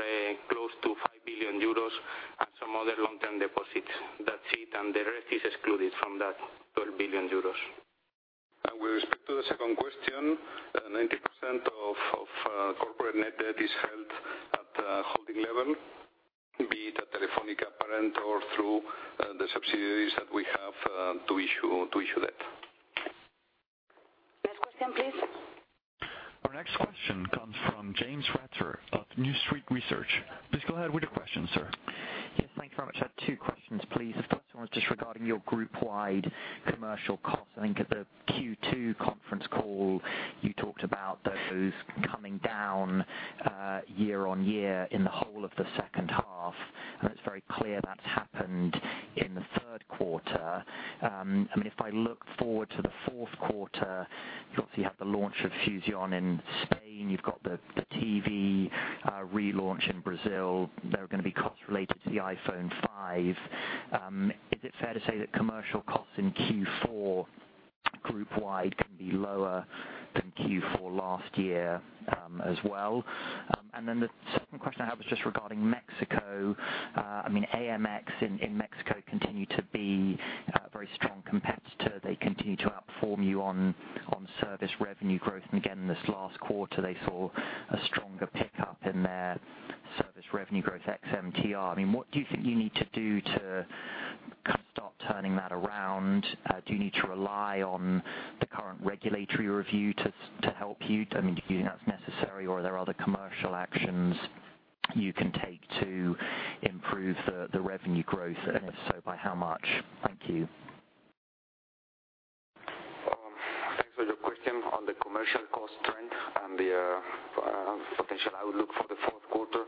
close to 5 billion euros and some other long-term deposits. That's it, the rest is excluded from that 12 billion euros. With respect to the second question, 90% of corporate net debt is held at the holding level, be it at Telefónica parent or through the subsidiaries that we have to issue debt. Next question, please. Our next question comes from James Ratzer of New Street Research. Please go ahead with your question, sir. Yes, thanks very much. I have two questions, please. The first one is just regarding your group-wide commercial costs. I think at the Q2 conference call, you talked about those coming down year-over-year in the whole of the second half, and it's very clear that's happened in the third quarter. If I look forward to the fourth quarter, you obviously have the launch of Fusión in Spain. You've got the TV relaunch in Brazil. There are going to be costs related to the iPhone 5. Is it fair to say that commercial costs in Q4 group-wide can be lower than Q4 last year as well? The second question I have was just regarding Mexico. AMX in Mexico continue to be a very strong competitor. They continue to outperform you on service revenue growth. This last quarter, they saw a stronger pickup in their service revenue growth ex MTR. What do you think you need to do to start turning that around? Do you need to rely on the current regulatory review to help you? Do you think that's necessary, or are there other commercial actions you can take to improve the revenue growth, and if so, by how much? Thank you. Thanks for your question on the commercial cost trend and the potential outlook for the fourth quarter.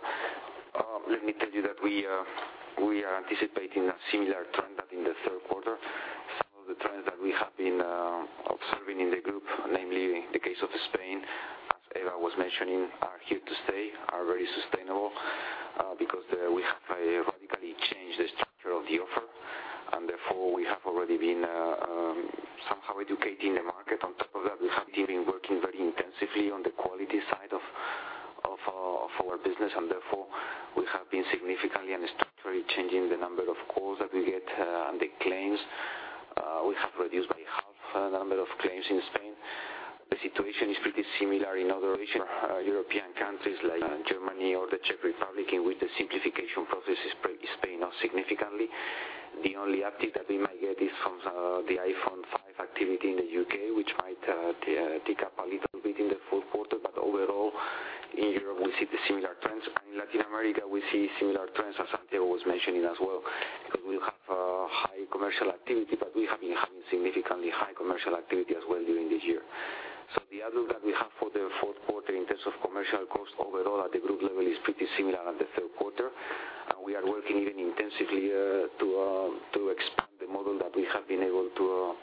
Let me tell you that we are anticipating a similar trend that in the third quarter. Some of the trends that we have been observing in the group, namely in the case of Spain, as Eva Castillo was mentioning, are here to stay, are very sustainable, because we have radically changed the structure of the offer, and therefore we have already been somehow educating the market. On top of that, we have been working very intensively on the quality side of our business, and therefore we have been significantly and structurally changing the number of calls that we get and the claims. We have reduced by half the number of claims in Spain. The situation is pretty similar in other European countries like Germany or the Czech Republic, with the simplification processes playing out significantly. The only uptick that we might get is from the iPhone 5 activity in the U.K., which might tick up a little bit in the fourth quarter. Overall, in Europe, we see similar trends. In Latin America, we see similar trends as Santiago Fernández Valbuena was mentioning as well, because we will have high commercial activity, but we have been having significantly high commercial activity as well during this year. The outlook that we have for the fourth quarter in terms of commercial cost overall at the group level is pretty similar at the third quarter. We are working even intensively to expand the model that we are trying to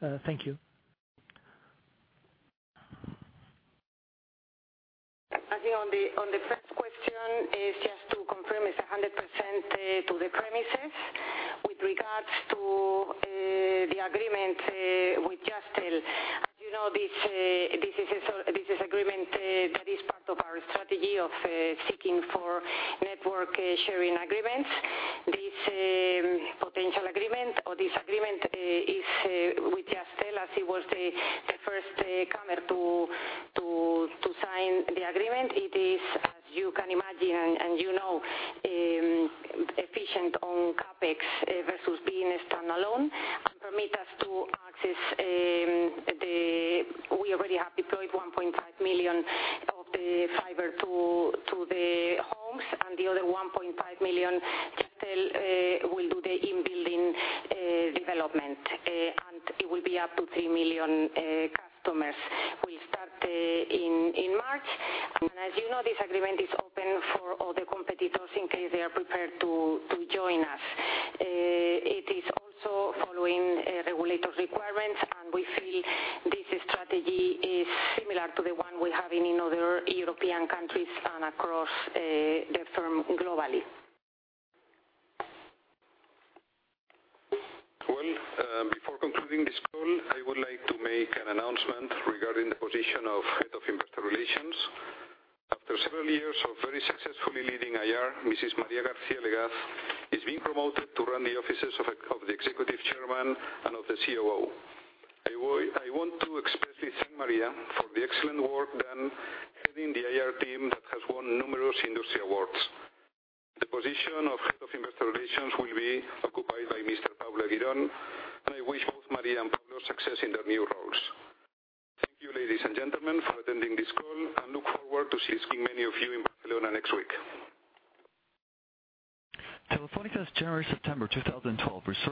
Thank you. I think on the first question is just to confirm it's 100% to the premises. With regards to the agreement with Jazztel, as you know, this is agreement that is part of our strategy of seeking for network sharing agreements. This potential agreement or this agreement is with Jazztel as it was the first comer to sign the agreement. It is, as you can imagine and you know, efficient on CapEx versus being standalone and permit us to access We already have deployed 1.5 million of the fiber to the homes, and the other 1.5 million, Jazztel will do the in-building development, and it will be up to 3 million customers. We start in March. As you know, this agreement is open for other competitors in case they are prepared to join us. It is also following regulatory requirements. We feel this strategy is similar to the one we have in other European countries and across the firm globally. Well, before concluding this call, I would like to make an announcement regarding the position of Head of Investor Relations. After several years of very successfully leading IR, Mrs. María García-Legaz, is being promoted to run the offices of the Executive Chairman and of the COO. I want to expressly thank María for the excellent work done heading the IR team that has won numerous industry awards. The position of Head of Investor Relations will be occupied by Mr. Pablo Girón, and I wish both María and Pablo success in their new roles. Thank you, ladies and gentlemen, for attending this call, and look forward to seeing many of you in Barcelona next week. Telefónica's January, September 2012 result